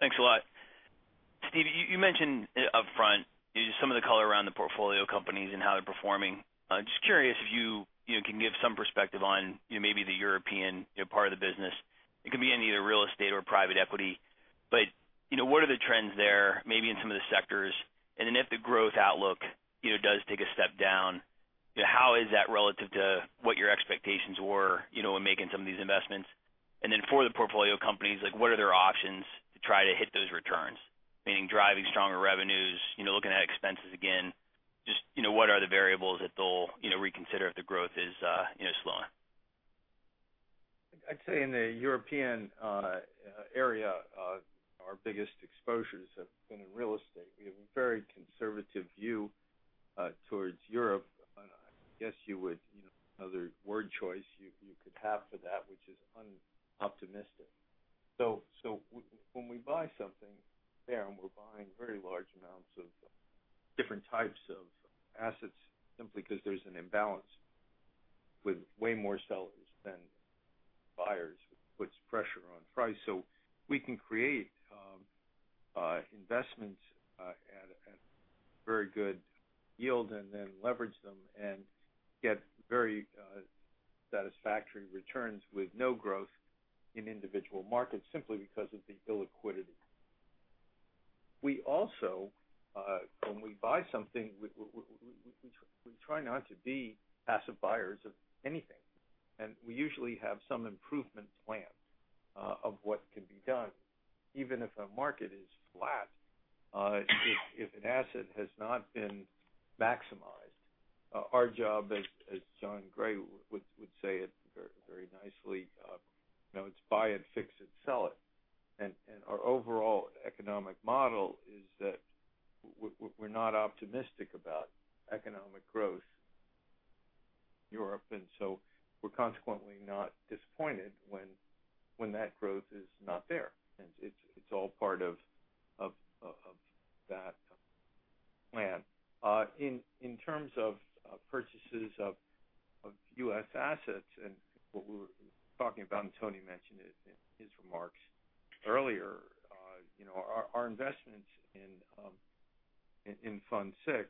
Thanks a lot. Steve, you mentioned upfront some of the color around the portfolio companies and how they're performing. Just curious if you can give some perspective on maybe the European part of the business. It can be in either real estate or private equity, but what are the trends there, maybe in some of the sectors? If the growth outlook does take a step down, how is that relative to what your expectations were when making some of these investments? For the portfolio companies, what are their options to try to hit those returns? Meaning driving stronger revenues, looking at expenses again, just what are the variables that they'll reconsider if the growth is slowing. I'd say in the European area, our biggest exposures have been in real estate. We have a very conservative view towards Europe. I guess another word choice you could have for that, which is unoptimistic. When we buy something there, and we're buying very large amounts of different types of assets simply because there's an imbalance with way more sellers than buyers, which puts pressure on price. We can create investments at very good yield, and then leverage them and get very satisfactory returns with no growth in individual markets, simply because of the illiquidity. We also, when we buy something, we try not to be passive buyers of anything. We usually have some improvement plan of what can be done, even if a market is flat. If an asset has not been maximized, our job as Jon Gray would say it very nicely, it's buy it, fix it, sell it. Our overall economic model is that we're not optimistic about economic growth in Europe, and we're consequently not disappointed when that growth is not there. It's all part of that plan. In terms of purchases of U.S. assets and what we were talking about, Tony mentioned it in his remarks earlier. Our investments in Fund VI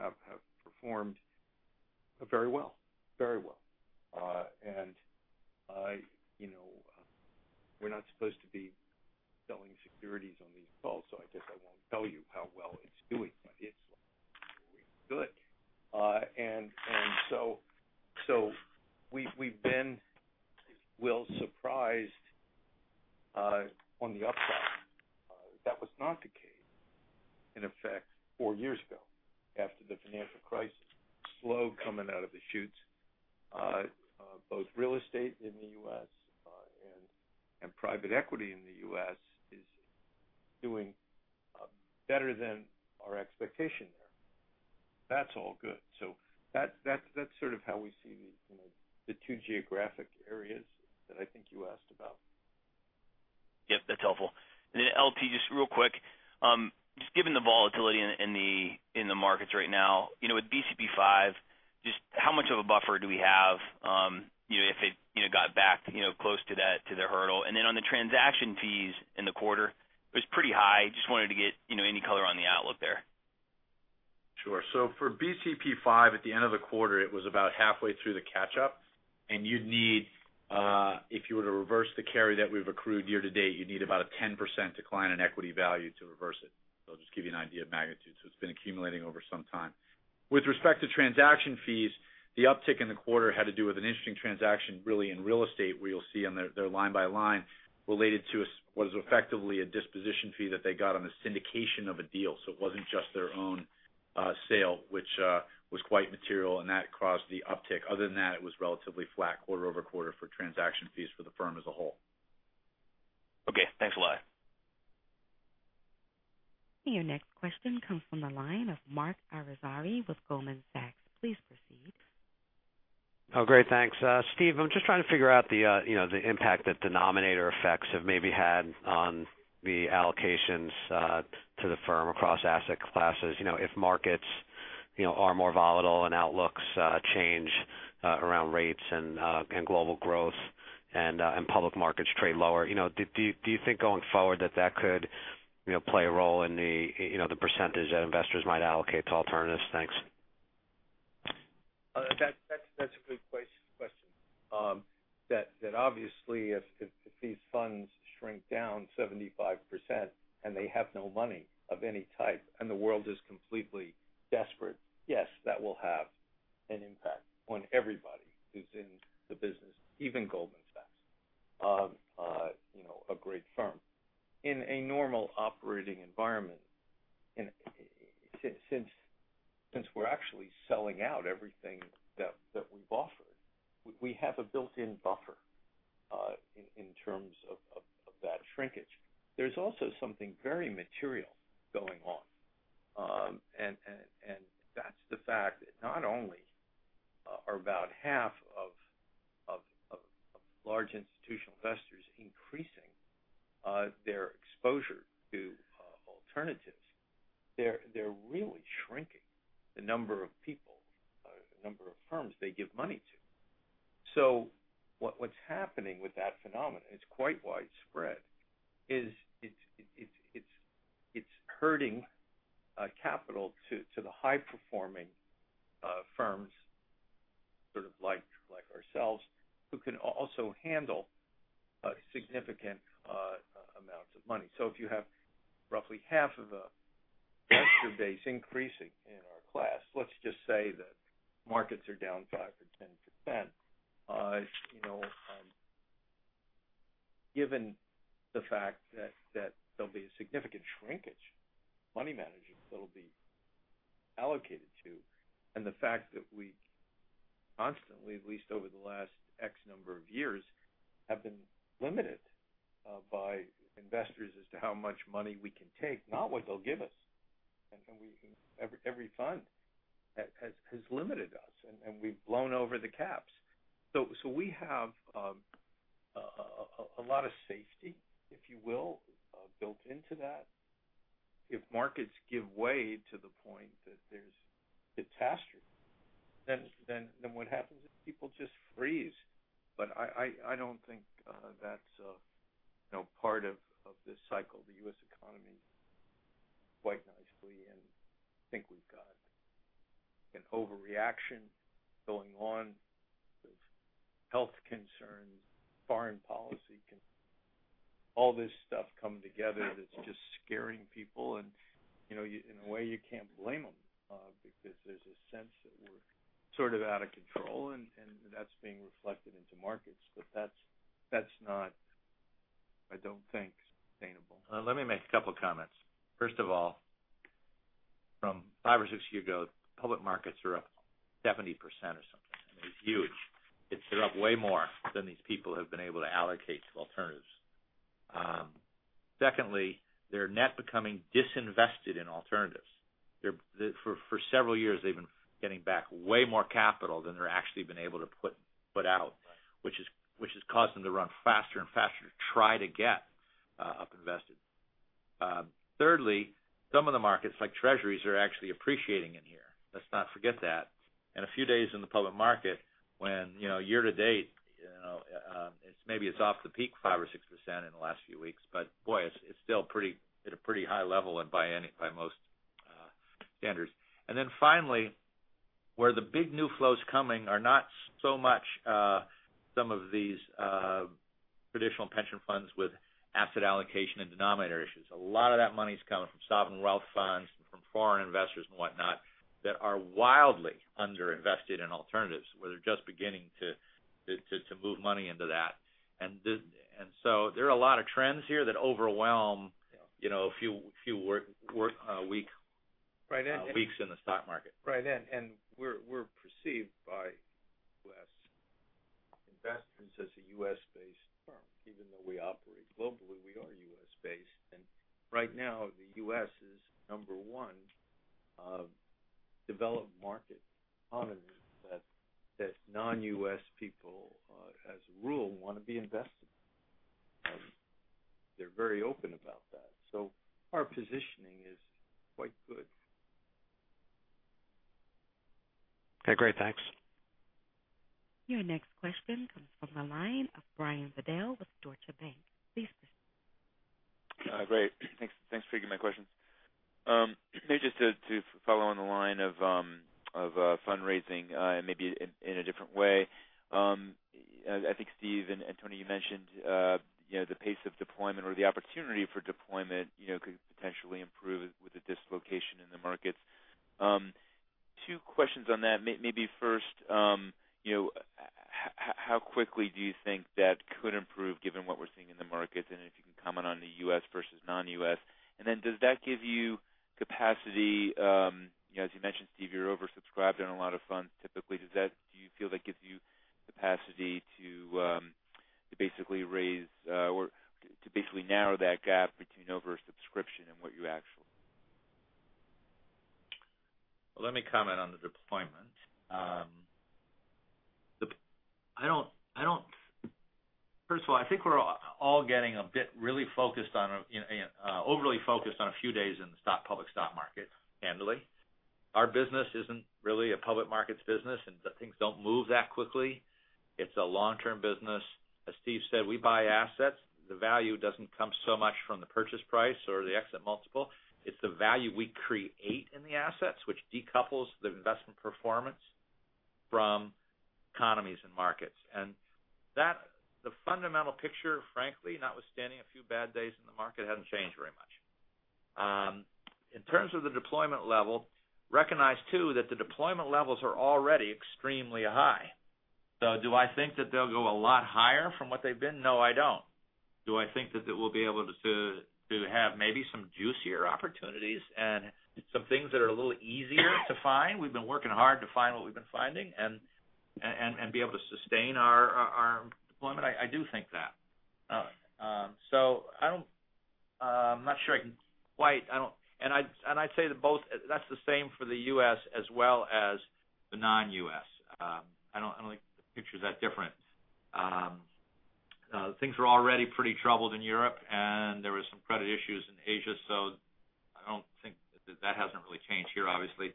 have performed very well. We're not supposed to be selling securities on these calls, I guess I won't tell you how well it's doing, but it's doing good. We've been, well, surprised on the upside. That was not the case in effect four years ago, after the financial crisis. Slow coming out of the shoots. Both real estate in the U.S. and private equity in the U.S. is doing better than our expectation there. That's all good. That's sort of how we see the two geographic areas that I think you asked about. Yep, that's helpful. LT, just real quick. Just given the volatility in the markets right now, with BCP V, just how much of a buffer do we have if it got back close to their hurdle? On the transaction fees in the quarter, it was pretty high. Just wanted to get any color on the outlook there. Sure. For BCP V, at the end of the quarter, it was about halfway through the catch-up. You'd need, if you were to reverse the carry that we've accrued year to date, you'd need about a 10% decline in equity value to reverse it. I'll just give you an idea of magnitude. It's been accumulating over some time. With respect to transaction fees, the uptick in the quarter had to do with an interesting transaction really in real estate, where you'll see on there line by line, related to what is effectively a disposition fee that they got on the syndication of a deal. It wasn't just their own sale, which was quite material, and that caused the uptick. Other than that, it was relatively flat quarter-over-quarter for transaction fees for the firm as a whole. Okay, thanks a lot. Your next question comes from the line of Marc Irizarry with Goldman Sachs. Please proceed. Oh, great, thanks. Steve, I'm just trying to figure out the impact that denominator effects have maybe had on the allocations to the firm across asset classes. If markets are more volatile and outlooks change around rates and global growth and public markets trade lower, do you think going forward that that could play a role in the percentage that investors might allocate to alternatives? Thanks. That's a good question. That obviously if these funds shrink down 75% and they have no money of any type, and the world is completely desperate, yes, that will have an impact on everybody who's in the business, even Goldman Sachs. A great firm. In a normal operating environment, since we're actually selling out everything that we've offered, we have a built-in buffer in terms of that shrinkage. There's also something very material going on. That's the fact that not only are about half of large institutional investors increasing their exposure to alternatives, they're really shrinking the number of people, the number of firms they give money to. What's happening with that phenomenon, it's quite widespread, is it's herding capital to the high-performing firms like ourselves, who can also handle significant amounts of money. If you have roughly half of the investor base increasing in our class. Let's just say that markets are down 5% or 10%. Given the fact that there'll be a significant shrinkage of money managers that'll be allocated to, and the fact that we constantly, at least over the last X number of years, have been limited by investors as to how much money we can take, not what they'll give us. Every fund has limited us, and we've blown over the caps. We have a lot of safety, if you will, built into that. If markets give way to the point that there's disaster, what happens is people just freeze. I don't think that's part of this cycle. The U.S. economy quite nicely, and I think we've got an overreaction going on with health concerns, foreign policy concerns. All this stuff come together that's just scaring people and, in a way you can't blame them, because there's a sense that we're sort of out of control and that's being reflected into markets. That's not, I don't think, sustainable. Let me make a couple of comments. First of all, from five or six years ago, public markets are up 70% or something. I mean, it's huge. They're up way more than these people have been able to allocate to alternatives. Secondly, they're net becoming disinvested in alternatives. For several years, they've been getting back way more capital than they've actually been able to put out. Right. Which has caused them to run faster and faster to try to get up invested. Thirdly, some of the markets, like Treasuries, are actually appreciating in here. Let's not forget that. A few days in the public market when, year-to-date, maybe it's off the peak five or 6% in the last few weeks, but boy, it's still at a pretty high level by most standards. Finally, where the big new flows coming are not so much some of these traditional pension funds with asset allocation and denominator issues. A lot of that money's coming from sovereign wealth funds and from foreign investors and whatnot that are wildly under-invested in alternatives. Where they're just beginning to move money into that. There are a lot of trends here that overwhelm- Yeah a few weak- Right, and- weeks in the stock market. Right. We're perceived by U.S. investors as a U.S.-based firm. Even though we operate globally, we are U.S.-based. Right now the U.S. is number 1 of developed market economies that non-U.S. people, as a rule, want to be invested in. They're very open about that. Our positioning is quite good. Okay, great. Thanks. Your next question comes from the line of Brian Bedell with Deutsche Bank. Please proceed. Great, thanks for taking my question. Maybe just to follow on the line of fundraising, maybe in a different way. I think Steve and Tony, you mentioned the pace of deployment or the opportunity for deployment could potentially improve with the dislocation in the markets. Two questions on that. Maybe first, how quickly do you think that could improve given what we're seeing in the markets? If you can comment on the U.S. versus non-U.S. Does that give you capacity, as you mentioned, Steve, you're oversubscribed on a lot of funds typically. Do you feel that gives you capacity to basically raise or to basically narrow that gap between oversubscription and what you actually Let me comment on the deployment. First of all, I think we're all getting overly focused on a few days in the public stock market, candidly. Our business isn't really a public markets business. Things don't move that quickly. It's a long-term business. As Steve said, we buy assets. The value doesn't come so much from the purchase price or the exit multiple. It's the value we create in the assets, which decouples the investment performance from economies and markets. The fundamental picture, frankly, notwithstanding a few bad days in the market, hadn't changed very much. In terms of the deployment level, recognize too, that the deployment levels are already extremely high. Do I think that they'll go a lot higher from what they've been? No, I don't. Do I think that we'll be able to have maybe some juicier opportunities and some things that are a little easier to find? We've been working hard to find what we've been finding and be able to sustain our deployment. I do think that. I'd say that both, that's the same for the U.S. as well as the non-U.S. I don't think the picture's that different. Things were already pretty troubled in Europe, and there were some credit issues in Asia. I don't think that hasn't really changed here, obviously.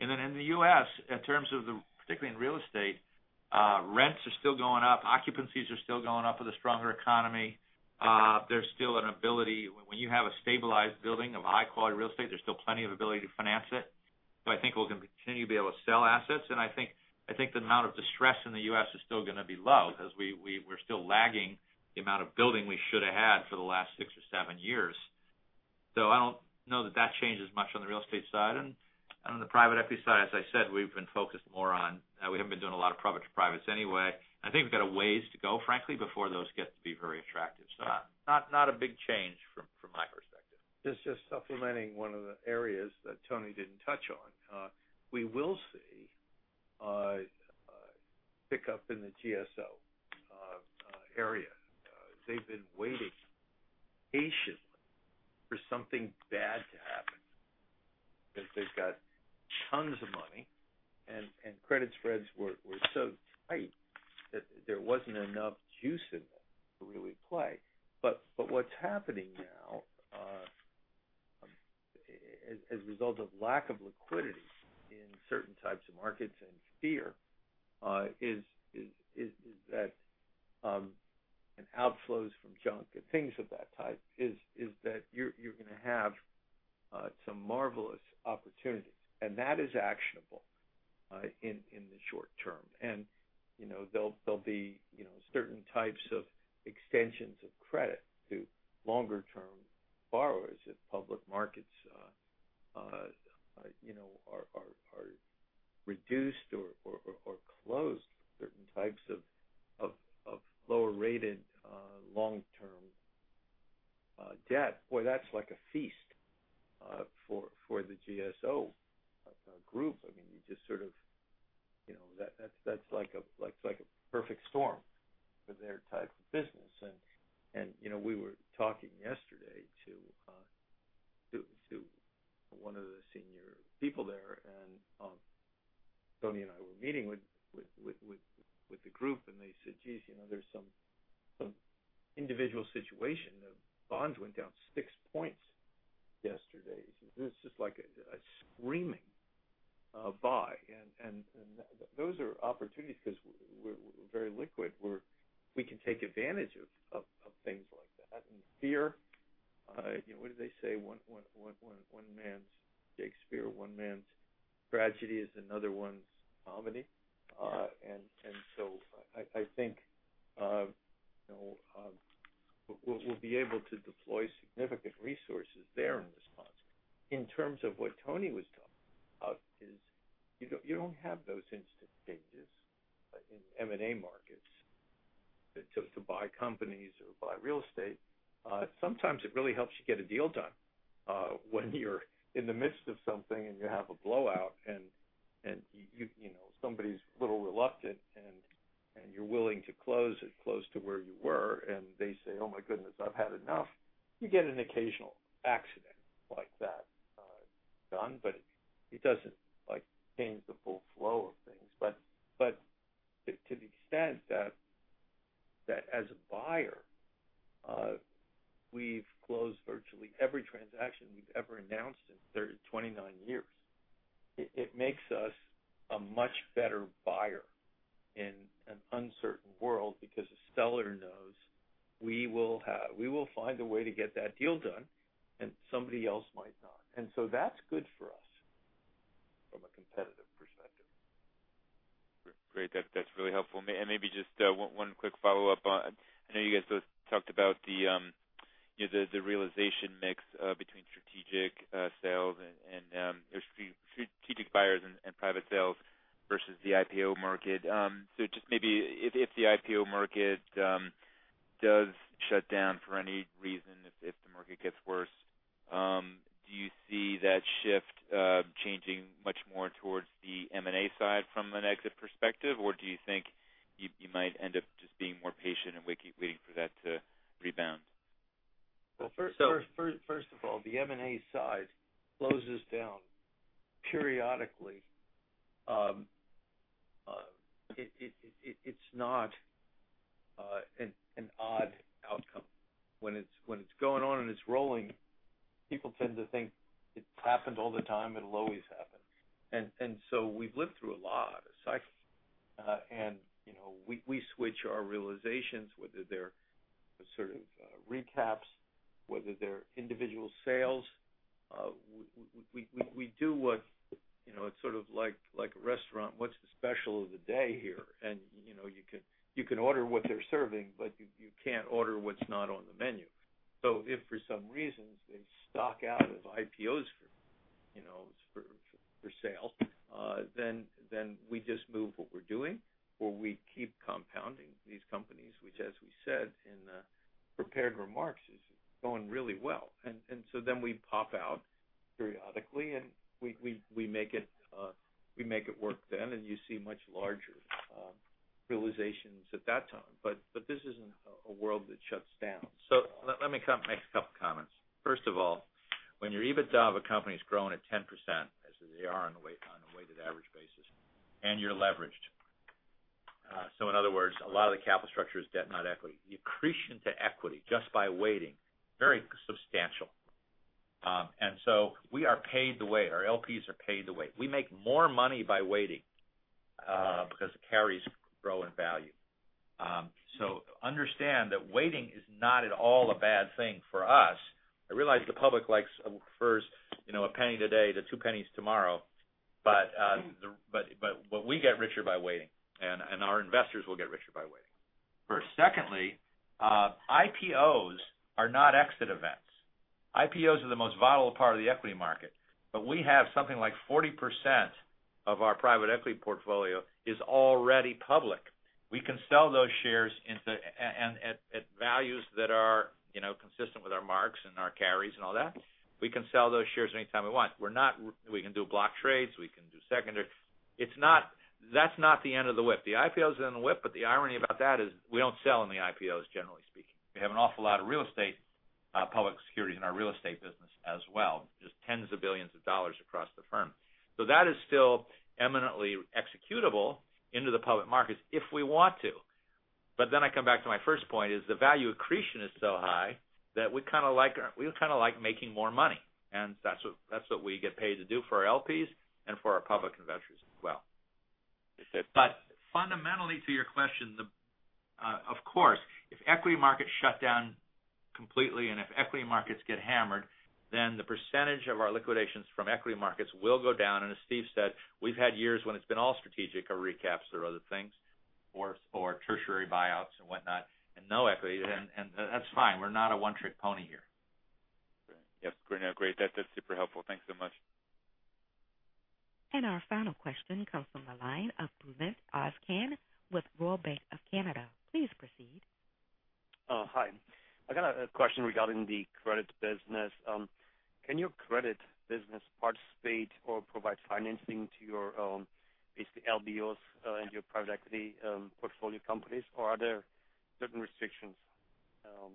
In the U.S., in terms of the, particularly in real estate, rents are still going up, occupancies are still going up with a stronger economy. There's still an ability when you have a stabilized building of high-quality real estate, there's still plenty of ability to finance it. I think we're going to continue to be able to sell assets, and I think the amount of distress in the U.S. is still going to be low because we're still lagging the amount of building we should have had for the last six or seven years. I don't know that that changes much on the real estate side. On the private equity side, as I said, we've been focused more on, we haven't been doing a lot of public to privates anyway. I think we've got a ways to go, frankly, before those get to be very attractive. Not a big change from my perspective. This is just supplementing one of the areas that Tony didn't touch on. We will see a pickup in the GSO area. They've been waiting patiently for something bad to happen. They've got tons of money, and credit spreads were so tight that there wasn't enough juice in them to really play. What's happening now, as a result of lack of liquidity in certain types of markets and fear, is that in outflows from junk and things of that type, is that you're going to have some marvelous opportunities. That is actionable in the short when you're in the midst of something and you have a blowout, and somebody's a little reluctant, and you're willing to close it close to where you were, and they say, "Oh my goodness, I've had enough." You get an occasional accident like that done, but it doesn't change the full flow of things. To the extent that as a buyer, we've closed virtually every transaction we've ever announced in 29 years. It makes us a much better buyer in an uncertain world because a seller knows we will find a way to get that deal done and somebody else might not. That's good for us from a competitive perspective. Great. That's really helpful. Maybe just one quick follow-up on I know you guys both talked about the realization mix between strategic sales and strategic buyers and private sales versus the IPO market. Just maybe if the IPO market does shut down for any reason, if the market gets worse, do you see that shift changing much more towards the M&A side from an exit perspective, or do you think you might end up just being more patient and waiting for that to rebound? Well, first of all, the M&A side closes down periodically. It's not an odd outcome. When it's going on and it's rolling, people tend to think it happens all the time, it'll always happen. We've lived through a lot of cycles. We switch our realizations, whether they're sort of recaps, whether they're individual sales. We do, it's sort of like a restaurant. What's the special of the day here? You can order what they're serving, but you can't order what's not on the menu. If for some reason they stock out of IPOs for sale, then we just move what we're doing, or we keep compounding these companies, which, as we said in the prepared remarks, is going really well. We pop out periodically, and we make it work then, and you see much larger realizations at that time. This isn't a world that shuts down. Let me make a couple comments. First of all, when your EBITDA of a company is growing at 10%, as they are on a weighted average basis, and you're leveraged, so in other words, a lot of the capital structure is debt, not equity, the accretion to equity, just by waiting, very substantial. We are paid to wait. Our LPs are paid to wait. We make more money by waiting because the carries grow in value. Understand that waiting is not at all a bad thing for us. I realize the public likes first a penny today, the two pennies tomorrow. We get richer by waiting, and our investors will get richer by waiting. Secondly, IPOs are not exit events. IPOs are the most vital part of the equity market, but we have something like 40% of our private equity portfolio is already public. We can sell those shares at values that are consistent with our marks and our carries and all that. We can sell those shares anytime we want. We can do block trades. We can do secondary. That's not the end of the whip. The IPO is the end of the whip, but the irony about that is we don't sell in the IPOs, generally speaking. We have an awful lot of real estate, public securities in our real estate business as well, just tens of billions of dollars across the firm. That is still eminently executable into the public markets if we want to. I come back to my first point, is the value accretion is so high that we kind of like making more money, and that's what we get paid to do for our LPs and for our public investors as well. That's it. Fundamentally, to your question, of course, if equity markets shut down completely and if equity markets get hammered, then the percentage of our liquidations from equity markets will go down. As Steve said, we've had years when it's been all strategic or recaps or other things, or tertiary buyouts and whatnot, and no equity, and that's fine. We're not a one-trick pony here. Great. Yes that's great. That's super helpful. Thanks so much. Our final question comes from the line of Bulent Ozcan with Royal Bank of Canada. Please proceed. Oh, hi. I got a question regarding the credit business. Can your credit business participate or provide financing to your, basically, LBOs and your private equity portfolio companies? Are there certain restrictions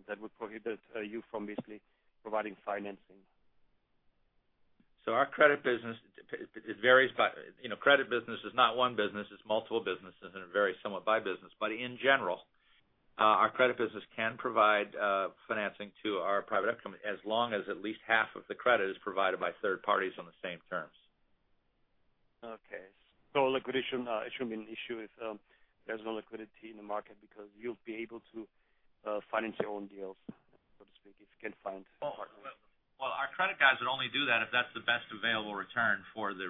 that would prohibit you from basically providing financing? Our credit business, it varies. Credit business is not one business. It's multiple businesses and it varies somewhat by business. In general, our credit business can provide financing to our private equity as long as at least half of the credit is provided by third parties on the same terms. Liquidation, it shouldn't be an issue if there's no liquidity in the market because you'll be able to finance your own deals, so to speak, if you can find partners. Our credit guys would only do that if that's the best available return for the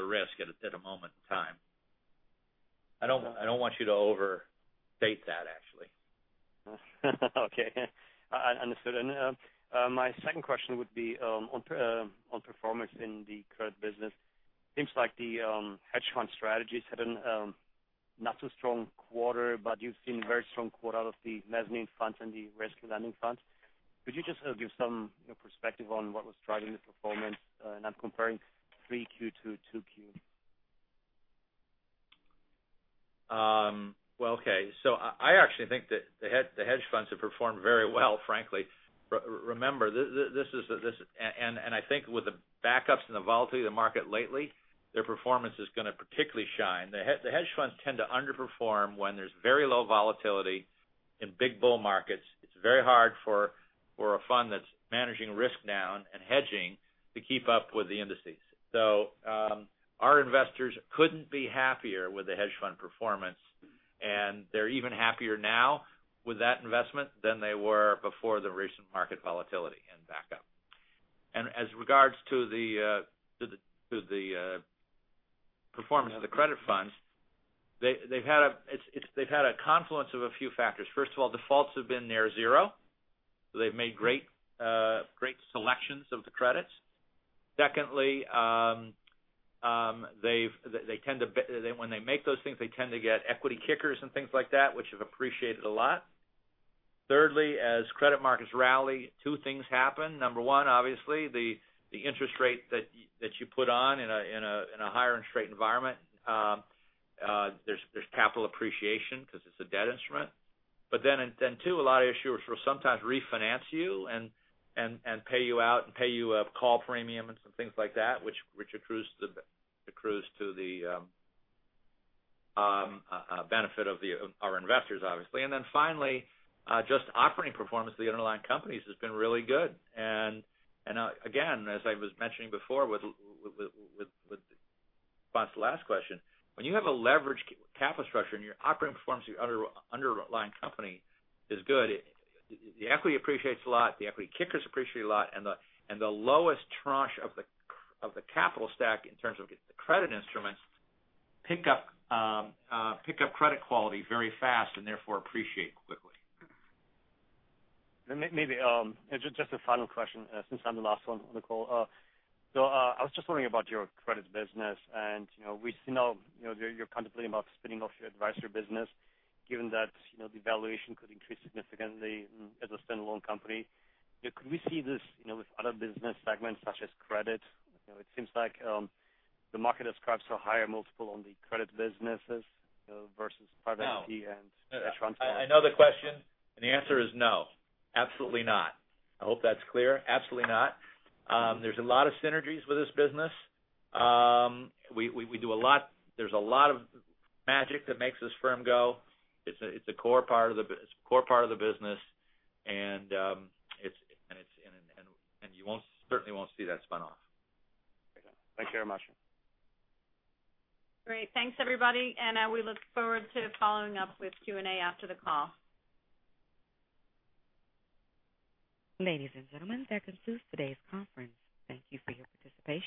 risk at a moment in time. I don't want you to overstate that, actually. Okay. Understood. My second question would be on performance in the credit business. Seems like the hedge fund strategy has had not too strong quarter, but you've seen a very strong quarter out of the mezzanine funds and the rescue lending funds. Could you just give some perspective on what was driving the performance? I'm comparing three Q to two Q. Well, okay. I actually think that the hedge funds have performed very well, frankly. I think with the backups and the volatility of the market lately, their performance is going to particularly shine. The hedge funds tend to underperform when there's very low volatility in big bull markets. It's very hard for a fund that's managing risk down and hedging to keep up with the indices. Our investors couldn't be happier with the hedge fund performance, and they're even happier now with that investment than they were before the recent market volatility and backup. As regards to the performance of the credit funds, they've had a confluence of a few factors. First of all, defaults have been near zero. They've made great selections of the credits. Secondly, when they make those things, they tend to get equity kickers and things like that which have appreciated a lot. Thirdly, as credit markets rally, two things happen. Number one, obviously, the interest rate that you put on in a higher interest rate environment, there's capital appreciation because it's a debt instrument. Two, a lot of issuers will sometimes refinance you and pay you out and pay you a call premium and some things like that, which accrues to the benefit of our investors, obviously. Finally, just operating performance of the underlying companies has been really good. Again, as I was mentioning before with response to the last question, when you have a leveraged capital structure and your operating performance of your underlying company is good, the equity appreciates a lot, the equity kickers appreciate a lot, and the lowest tranche of the capital stack in terms of the credit instruments pick up credit quality very fast and therefore appreciate quickly. Maybe just a final question since I'm the last one on the call. I was just wondering about your credit business and we see now you're contemplating about spinning off your advisory business given that the valuation could increase significantly as a standalone company. Could we see this with other business segments such as credit? It seems like the market ascribes to a higher multiple on the credit businesses versus private equity and hedge funds. The answer is no. Absolutely not. I hope that's clear. Absolutely not. There's a lot of synergies with this business. There's a lot of magic that makes this firm go. It's a core part of the business. You certainly won't see that spin-off. Okay. Thank you very much. Great. Thanks, everybody, and we look forward to following up with Q&A after the call. Ladies and gentlemen, that concludes today's conference. Thank you for your participation.